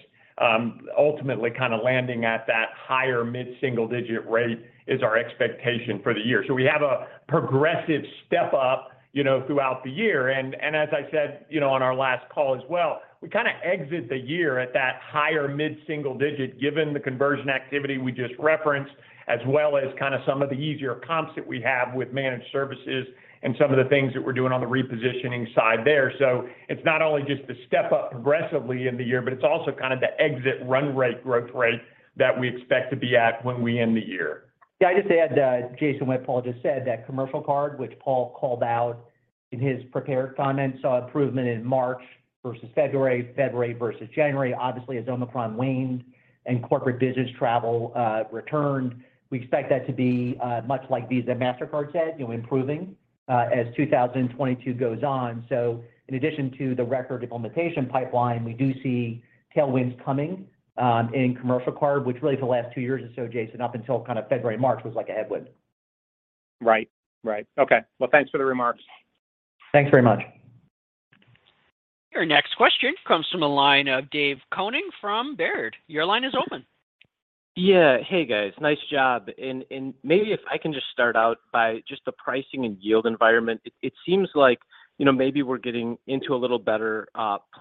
Ultimately kind of landing at that higher mid-single-digit percentage rate is our expectation for the year. We have a progressive step up, you know, throughout the year. as I said, you know, on our last call as well, we kind of exit the year at that higher mid-single digit given the conversion activity we just referenced, as well as kind of some of the easier comps that we have with managed services and some of the things that we're doing on the repositioning side there. It's not only just the step up aggressively in the year, but it's also kind of the exit run rate growth rate that we expect to be at when we end the year. Yeah, I just add to Jason what Paul just said, that commercial card, which Paul called out in his prepared comments, saw improvement in March versus February versus January, obviously as Omicron waned and corporate business travel returned. We expect that to be much like Visa and Mastercard said, you know, improving as 2022 goes on. In addition to the record implementation pipeline, we do see tailwinds coming in commercial card, which really for the last two years or so, Jason, up until kind of February, March was like a headwind. Right. Okay. Well, thanks for the remarks. Thanks very much. Your next question comes from the line of Dave Koning from Baird. Your line is open. Yeah. Hey, guys. Nice job. Maybe if I can just start out by just the pricing and yield environment. It seems like, you know, maybe we're getting into a little better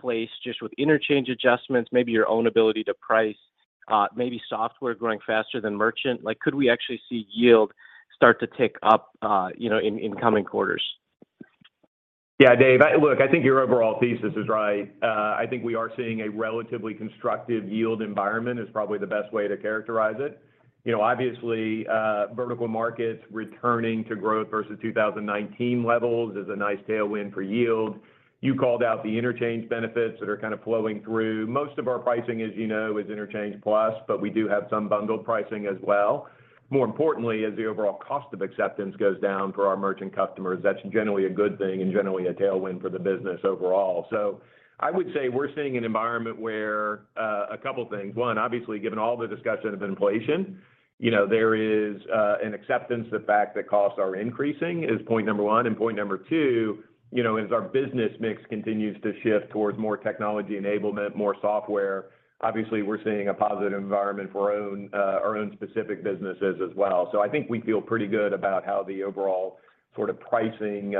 place just with interchange adjustments, maybe your own ability to price, maybe software growing faster than merchant. Like, could we actually see yield start to tick up, you know, in coming quarters? Yeah. Dave, look, I think your overall thesis is right. I think we are seeing a relatively constructive yield environment is probably the best way to characterize it. You know, obviously, vertical markets returning to growth versus 2019 levels is a nice tailwind for yield. You called out the interchange benefits that are kind of flowing through. Most of our pricing, as you know, is interchange plus, but we do have some bundled pricing as well. More importantly, as the overall cost of acceptance goes down for our merchant customers, that's generally a good thing and generally a tailwind for the business overall. I would say we're seeing an environment where a couple things. One, obviously, given all the discussion of inflation, you know, there is an acceptance of the fact that costs are increasing is point number one. Point number two, you know, as our business mix continues to shift towards more technology enablement, more software, obviously, we're seeing a positive environment for our own specific businesses as well. I think we feel pretty good about how the overall sort of pricing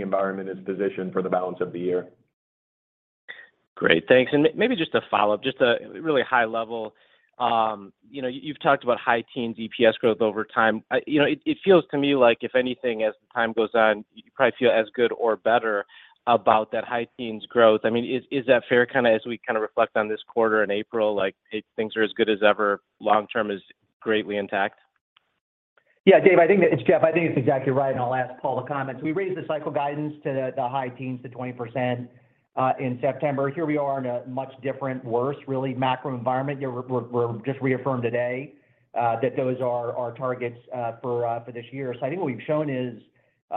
environment is positioned for the balance of the year. Great. Thanks. Maybe just a follow-up, just a really high level. You know, you've talked about high teens EPS growth over time. You know, it feels to me like if anything, as time goes on, you probably feel as good or better about that high teens growth. I mean, is that fair kinda as we kinda reflect on this quarter in April, like, things are as good as ever, long term is greatly intact? Yeah. Jeff, I think it's exactly right, and I'll ask Paul to comment. We raised the cycle guidance to the high teens to 20%, in September. Here we are in a much different, worse really macro environment. You know, we're just reaffirmed today that those are our targets for this year. I think what we've shown is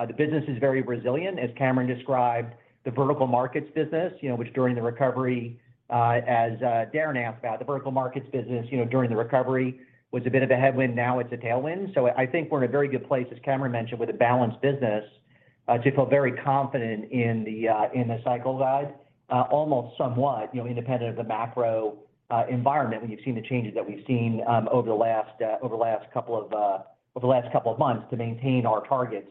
the business is very resilient. As Cameron described the vertical markets business, you know, which during the recovery, as Darrin asked about the vertical markets business, you know, during the recovery was a bit of a headwind, now it's a tailwind. I think we're in a very good place, as Cameron mentioned, with a balanced business, to feel very confident in the cycle guide, almost somewhat, you know, independent of the macro environment when you've seen the changes that we've seen, over the last couple of months to maintain our targets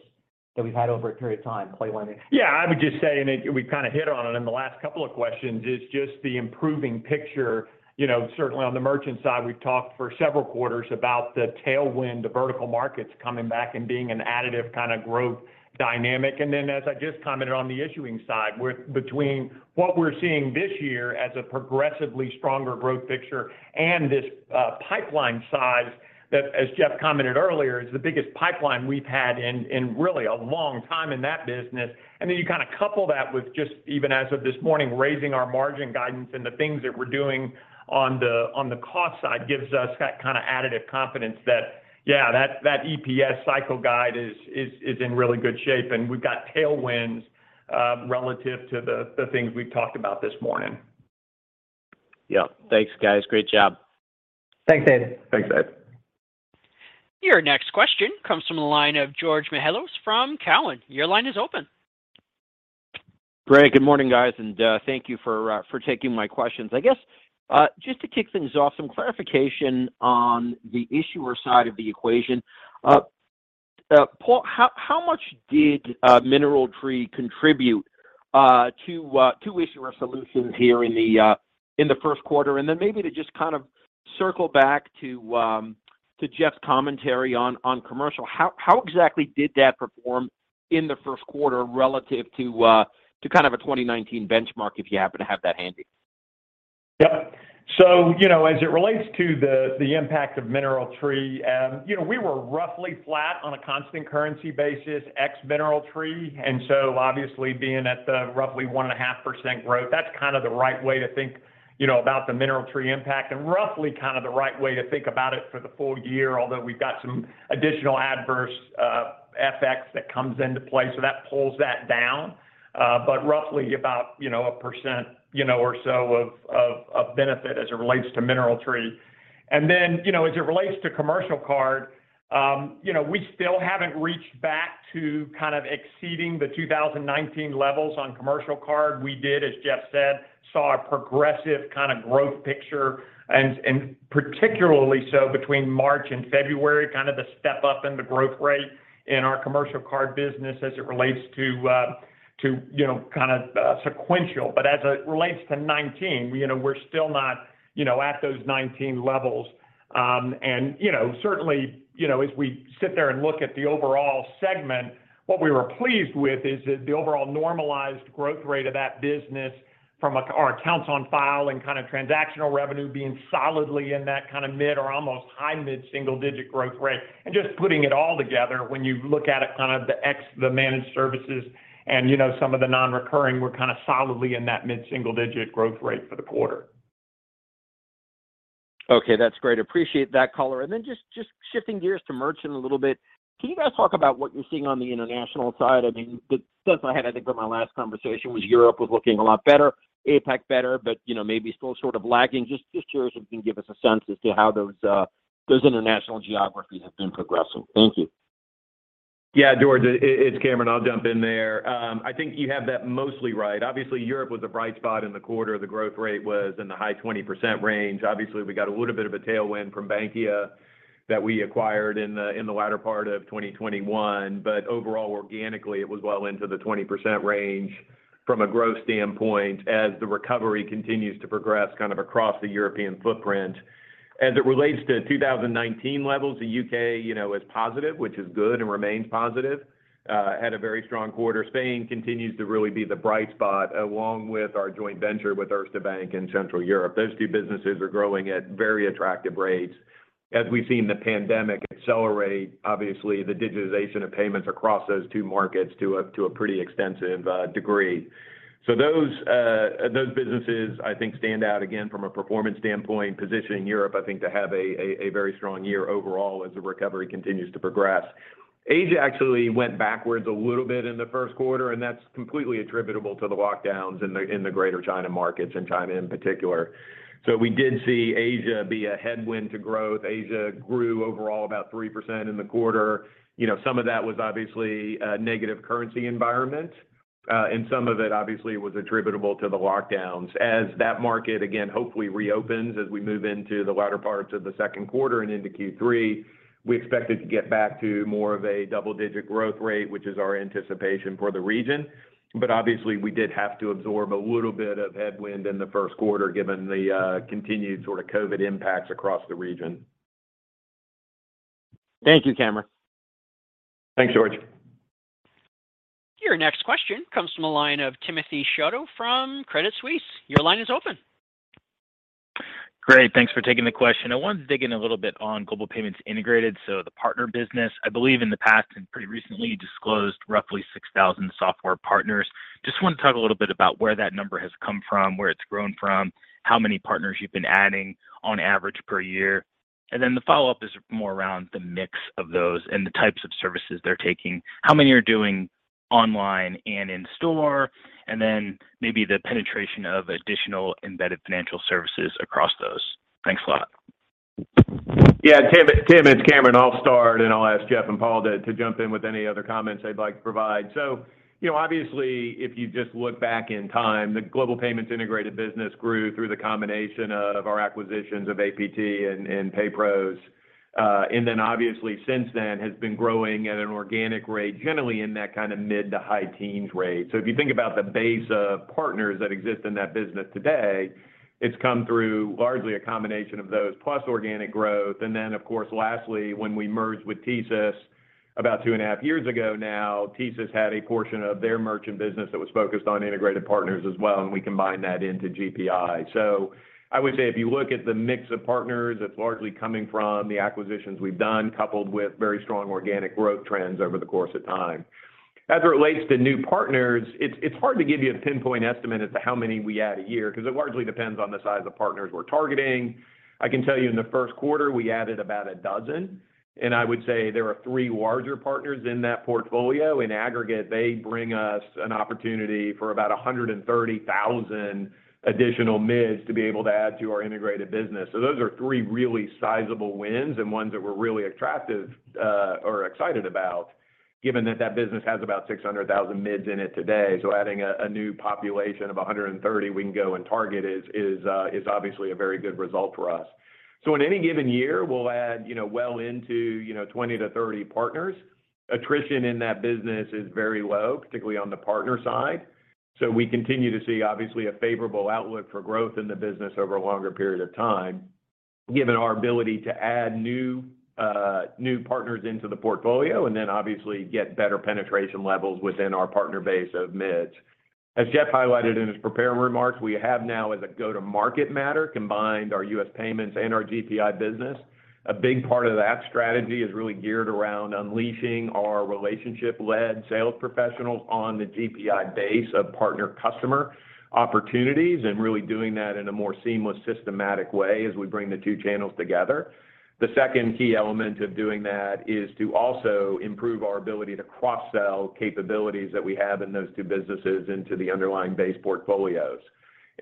that we've had over a period of time. Paul, anything? Yeah. I would just say we've kind of hit on it in the last couple of questions, is just the improving picture. You know, certainly on the merchant side, we've talked for several quarters about the tailwind, the vertical markets coming back and being an additive kind of growth dynamic. As I just commented on the issuing side, with between what we're seeing this year as a progressively stronger growth picture and this, pipeline size that as Jeff commented earlier, is the biggest pipeline we've had in really a long time in that business. You kind of couple that with just even as of this morning, raising our margin guidance and the things that we're doing on the cost side gives us that kind of additive confidence that, yeah, that EPS cycle guide is in really good shape. We've got tailwinds relative to the things we've talked about this morning. Yep. Thanks, guys. Great job. Thanks, Dave. Thanks, Dave. Your next question comes from the line of George Mihalos from Cowen. Your line is open. Great. Good morning, guys, and thank you for taking my questions. I guess just to kick things off, some clarification on the issuer side of the equation. Paul, how much did MineralTree contribute to issuer solutions here in the first quarter? And then maybe to just kind of circle back to Jeff's commentary on commercial, how exactly did that perform in the first quarter relative to kind of a 2019 benchmark, if you happen to have that handy? Yep. You know, as it relates to the impact of MineralTree, you know, we were roughly flat on a constant currency basis, ex MineralTree. Obviously being at the roughly 1.5% growth, that's kind of the right way to think, you know, about the MineralTree impact. Roughly kind of the right way to think about it for the full year, although we've got some additional adverse FX that comes into play, so that pulls that down. Roughly about, you know, 1%, you know, or so of benefit as it relates to MineralTree. You know, as it relates to commercial card, you know, we still haven't reached back to kind of exceeding the 2019 levels on commercial card. We did, as Jeff said, saw a progressive kind of growth picture and particularly so between March and February, kind of the step-up in the growth rate in our commercial card business as it relates to you know, kind of sequential. But as it relates to nineteen, you know, we're still not, you know, at those nineteen levels. Certainly, you know, as we sit there and look at the overall segment, what we were pleased with is that the overall normalized growth rate of that business from our accounts on file and kind of transactional revenue being solidly in that kind of mid or almost high mid-single digit growth rate. Just putting it all together, when you look at it kind of the managed services and, you know, some of the non-recurring were kind of solidly in that mid-single-digit growth rate for the quarter. Okay, that's great. Appreciate that color. Just shifting gears to merchant a little bit. Can you guys talk about what you're seeing on the international side? I mean, the sense I had, I think, from my last conversation was Europe was looking a lot better, APAC better, but, you know, maybe still sort of lagging. Just curious if you can give us a sense as to how those international geographies have been progressing. Thank you. Yeah, George, it's Cameron. I'll jump in there. I think you have that mostly right. Obviously, Europe was a bright spot in the quarter. The growth rate was in the high 20% range. Obviously, we got a little bit of a tailwind from Bankia that we acquired in the latter part of 2021. Overall, organically, it was well into the 20% range from a growth standpoint as the recovery continues to progress kind of across the European footprint. As it relates to 2019 levels, the UK, you know, is positive, which is good, and remains positive and had a very strong quarter. Spain continues to really be the bright spot, along with our joint venture with Erste Bank in Central Europe. Those two businesses are growing at very attractive rates. As we've seen the pandemic accelerate, obviously, the digitization of payments across those two markets to a pretty extensive degree. Those businesses, I think, stand out again from a performance standpoint, positioning Europe, I think, to have a very strong year overall as the recovery continues to progress. Asia actually went backwards a little bit in the first quarter, and that's completely attributable to the lockdowns in the Greater China markets and China in particular. We did see Asia be a headwind to growth. Asia grew overall about 3% in the quarter. You know, some of that was obviously a negative currency environment, and some of it obviously was attributable to the lockdowns. As that market again hopefully reopens as we move into the latter parts of the second quarter and into Q3, we expect it to get back to more of a double-digit growth rate, which is our anticipation for the region. Obviously, we did have to absorb a little bit of headwind in the first quarter given the continued sort of COVID impacts across the region. Thank you, Cameron. Thanks, George. Your next question comes from the line of Timothy Chiodo from Credit Suisse. Your line is open. Great. Thanks for taking the question. I wanted to dig in a little bit on Global Payments Integrated, so the partner business. I believe in the past and pretty recently disclosed roughly 6,000 software partners. Just want to talk a little bit about where that number has come from, where it's grown from, how many partners you've been adding on average per year. Then the follow-up is more around the mix of those and the types of services they're taking, how many are doing online and in store, and then maybe the penetration of additional embedded financial services across those. Thanks a lot. Yeah, Tim, it's Cameron. I'll start, and I'll ask Jeff and Paul to jump in with any other comments they'd like to provide. You know, obviously, if you just look back in time, the Global Payments Integrated business grew through the combination of our acquisitions of APT and PayPros. Obviously, since then has been growing at an organic rate, generally in that kind of mid- to high-teens rate. If you think about the base of partners that exist in that business today, it's come through largely a combination of those plus organic growth. Of course, lastly, when we merged with TSYS about two and a half years ago now, TSYS had a portion of their merchant business that was focused on integrated partners as well, and we combined that into GPI. I would say if you look at the mix of partners, it's largely coming from the acquisitions we've done, coupled with very strong organic growth trends over the course of time. As it relates to new partners, it's hard to give you a pinpoint estimate as to how many we add a year because it largely depends on the size of partners we're targeting. I can tell you in the first quarter, we added about 12, and I would say there are three larger partners in that portfolio. In aggregate, they bring us an opportunity for about 130,000 additional mids to be able to add to our integrated business. Those are three really sizable wins and ones that we're really excited about given that that business has about 600,000 mids in it today. Adding a new population of 130 we can go and target is obviously a very good result for us. In any given year, we'll add, you know, well into 20-30 partners. Attrition in that business is very low, particularly on the partner side. We continue to see obviously a favorable outlook for growth in the business over a longer period of time, given our ability to add new partners into the portfolio and then obviously get better penetration levels within our partner base of mids. As Jeff highlighted in his prepared remarks, we have now as a go-to-market matter combined our U.S. payments and our GPI business. A big part of that strategy is really geared around unleashing our relationship-led sales professionals on the GPI base of partner customer opportunities and really doing that in a more seamless, systematic way as we bring the two channels together. The second key element of doing that is to also improve our ability to cross-sell capabilities that we have in those two businesses into the underlying base portfolios.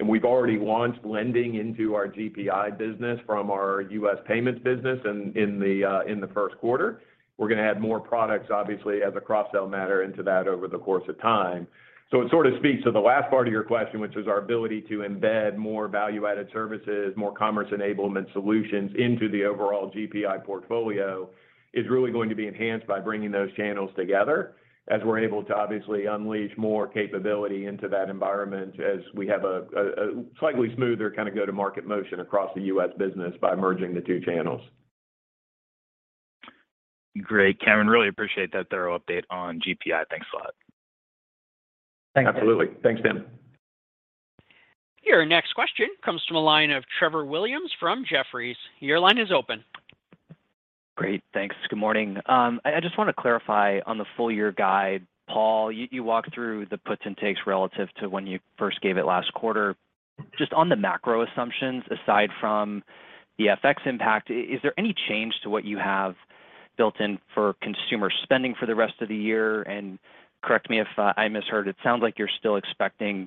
We've already launched lending into our GPI business from our U.S. Payments business in the first quarter. We're going to add more products obviously as a cross-sell matter into that over the course of time. It sort of speaks to the last part of your question, which is our ability to embed more value-added services, more commerce enablement solutions into the overall GPI portfolio is really going to be enhanced by bringing those channels together as we're able to obviously unleash more capability into that environment as we have a slightly smoother kind of go-to-market motion across the U.S. business by merging the two channels. Great, Cameron. Really appreciate that thorough update on GPI. Thanks a lot. Absolutely. Thanks, Tim. Your next question comes from a line of Trevor Williams from Jefferies. Your line is open. Great. Thanks. Good morning. I just want to clarify on the full year guide, Paul. You walked through the puts and takes relative to when you first gave it last quarter. Just on the macro assumptions, aside from the FX impact, is there any change to what you have built in for consumer spending for the rest of the year? Correct me if I misheard. It sounds like you're still expecting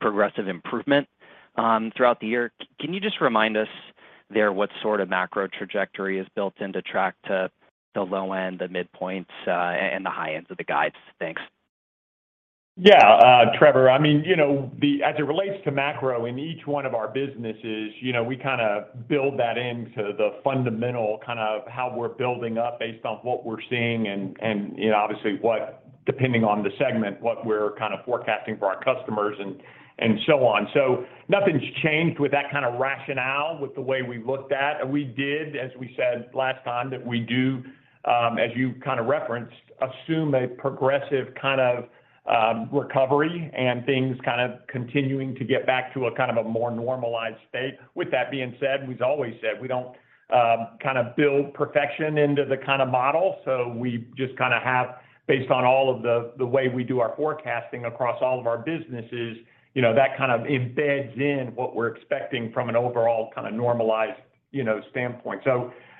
progressive improvement throughout the year. Can you just remind us there what sort of macro trajectory is built in to track to the low end, the midpoints, and the high ends of the guides? Thanks. Yeah. Trevor, I mean, you know, as it relates to macro in each one of our businesses, you know, we kinda build that into the fundamental kind of how we're building up based on what we're seeing and, you know, obviously what, depending on the segment, what we're kind of forecasting for our customers and so on. Nothing's changed with that kind of rationale with the way we looked at. We did, as we said last time, that we do, as you kind of referenced, assume a progressive kind of recovery and things kind of continuing to get back to a kind of a more normalized state. With that being said, we've always said we don't kind of build perfection into the kind of model. We just kinda have, based on all of the way we do our forecasting across all of our businesses, you know, that kind of embeds in what we're expecting from an overall kind of normalized, you know, standpoint.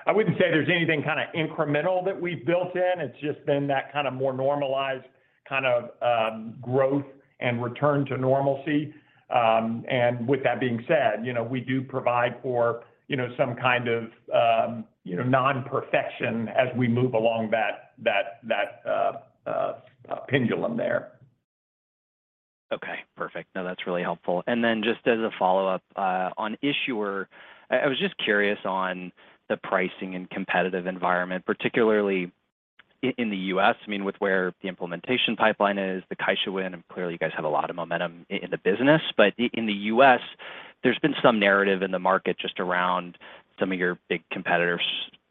I wouldn't say there's anything kind of incremental that we've built in. It's just been that kind of more normalized kind of growth and return to normalcy. With that being said, you know, we do provide for, you know, some kind of, you know, non-perfection as we move along that pendulum there. Okay, perfect. No, that's really helpful. Then just as a follow-up, on issuer, I was just curious on the pricing and competitive environment, particularly in the U.S. I mean, with where the implementation pipeline is, the Caixa win, and clearly you guys have a lot of momentum in the business. In the U.S., there's been some narrative in the market just around some of your big competitors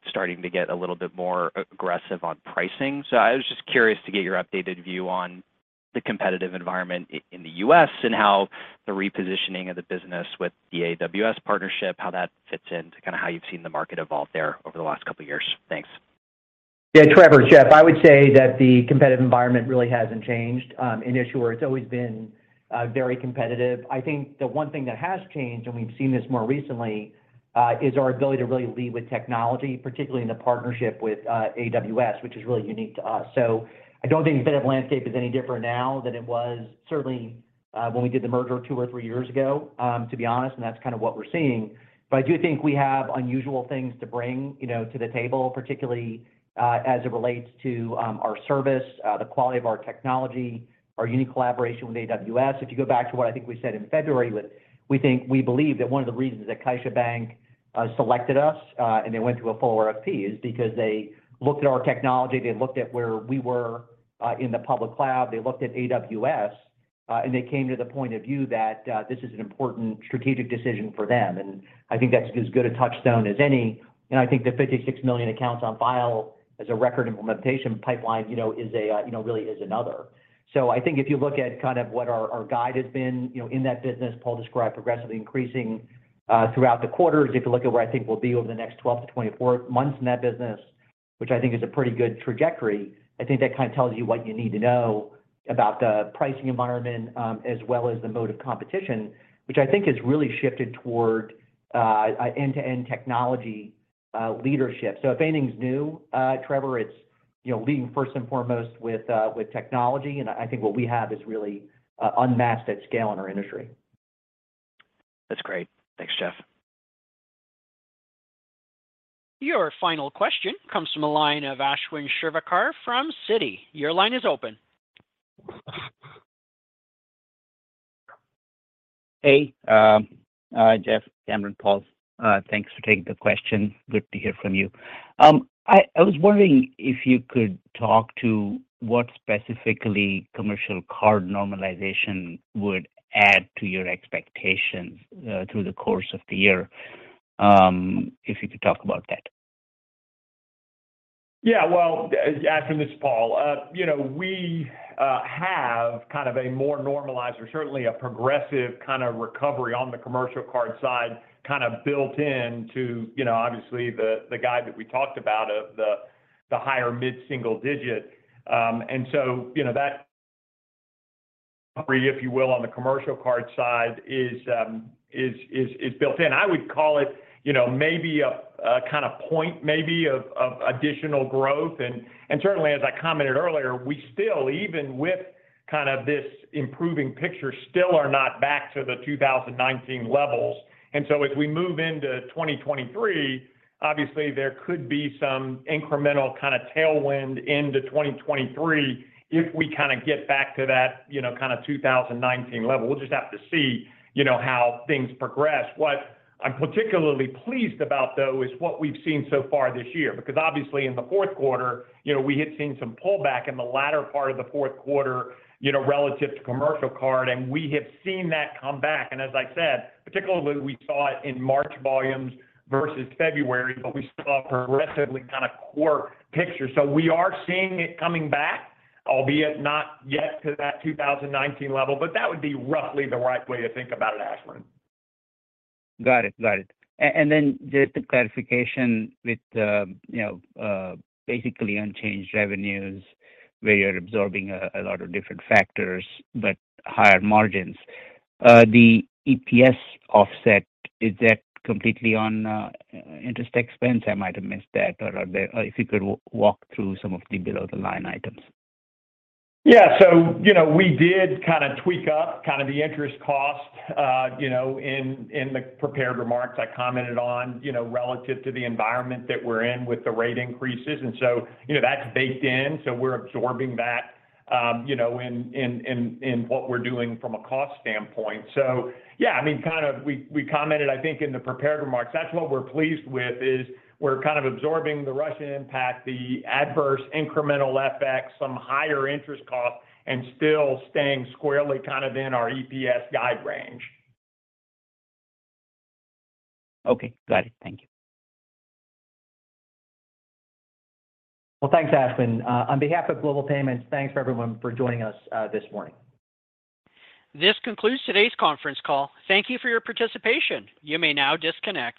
starting to get a little bit more aggressive on pricing. I was just curious to get your updated view on the competitive environment in the U.S. and how the repositioning of the business with the AWS partnership, how that fits in to kind of how you've seen the market evolve there over the last couple of years. Thanks. Yeah, Trevor, it's Jeff. I would say that the competitive environment really hasn't changed in issuer. It's always been very competitive. I think the one thing that has changed, and we've seen this more recently, is our ability to really lead with technology, particularly in the partnership with AWS, which is really unique to us. I don't think the competitive landscape is any different now than it was certainly when we did the merger two or three years ago, to be honest, and that's kind of what we're seeing. I do think we have unusual things to bring, you know, to the table, particularly as it relates to our service, the quality of our technology, our unique collaboration with AWS. If you go back to what I think we said in February, we think we believe that one of the reasons that CaixaBank selected us and they went through a full RFP is because they looked at our technology, they looked at where we were in the public cloud, they looked at AWS and they came to the point of view that this is an important strategic decision for them. I think that's as good a touchstone as any. You know, I think the 56 million accounts on file as a record implementation pipeline, you know, is another. I think if you look at kind of what our guide has been, you know, in that business, Paul described progressively increasing throughout the quarters. If you look at where I think we'll be over the next 12-24 months in that business, which I think is a pretty good trajectory, I think that kind of tells you what you need to know about the pricing environment, as well as the mode of competition, which I think has really shifted toward end-to-end technology leadership. If anything's new, Trevor, it's, you know, leading first and foremost with technology, and I think what we have is really unmatched at scale in our industry. That's great. Thanks, Jeff. Your final question comes from a line of Ashwin Shirvaikar from Citi. Your line is open. Hey, Jeff, Cameron, Paul. Thanks for taking the question. Good to hear from you. I was wondering if you could talk to what specifically commercial card normalization would add to your expectations through the course of the year. If you could talk about that. Yeah, well, Ashwin Shirvaikar, this is Paul Todd. You know, we have kind of a more normalized or certainly a progressive kind of recovery on the commercial card side kind of built in to, you know, obviously the guide that we talked about of the higher mid-single-digit percentage. You know, that recovery, if you will, on the commercial card side is built in. I would call it, you know, maybe a kinda point of additional growth. Certainly, as I commented earlier, we still, even with kind of this improving picture, still are not back to the 2019 levels. As we move into 2023, obviously there could be some incremental kinda tailwind into 2023 if we kinda get back to that, you know, kinda 2019 level. We'll just have to see, you know, how things progress. What I'm particularly pleased about though is what we've seen so far this year, because obviously in the fourth quarter, you know, we had seen some pullback in the latter part of the fourth quarter, you know, relative to commercial card, and we have seen that come back. As I said, particularly we saw it in March volumes versus February, but we saw a progressively kinda core picture. We are seeing it coming back, albeit not yet to that 2019 level, but that would be roughly the right way to think about it, Ashwin. Got it. Then just a clarification with the, you know, basically unchanged revenues where you're absorbing a lot of different factors but higher margins. The EPS offset, is that completely on interest expense? I might have missed that. Or if you could walk through some of the below-the-line items. Yeah. You know, we did kinda tweak up kinda the interest cost. You know, in the prepared remarks, I commented on, you know, relative to the environment that we're in with the rate increases. You know, that's baked in, so we're absorbing that, you know, in what we're doing from a cost standpoint. Yeah, I mean, kind of we commented, I think, in the prepared remarks. That's what we're pleased with, is we're kind of absorbing the Russian impact, the adverse incremental FX, some higher interest costs, and still staying squarely kind of in our EPS guide range. Okay. Got it. Thank you. Well, thanks, Ashwin. On behalf of Global Payments, thanks everyone for joining us this morning. This concludes today's conference call. Thank you for your participation. You may now disconnect.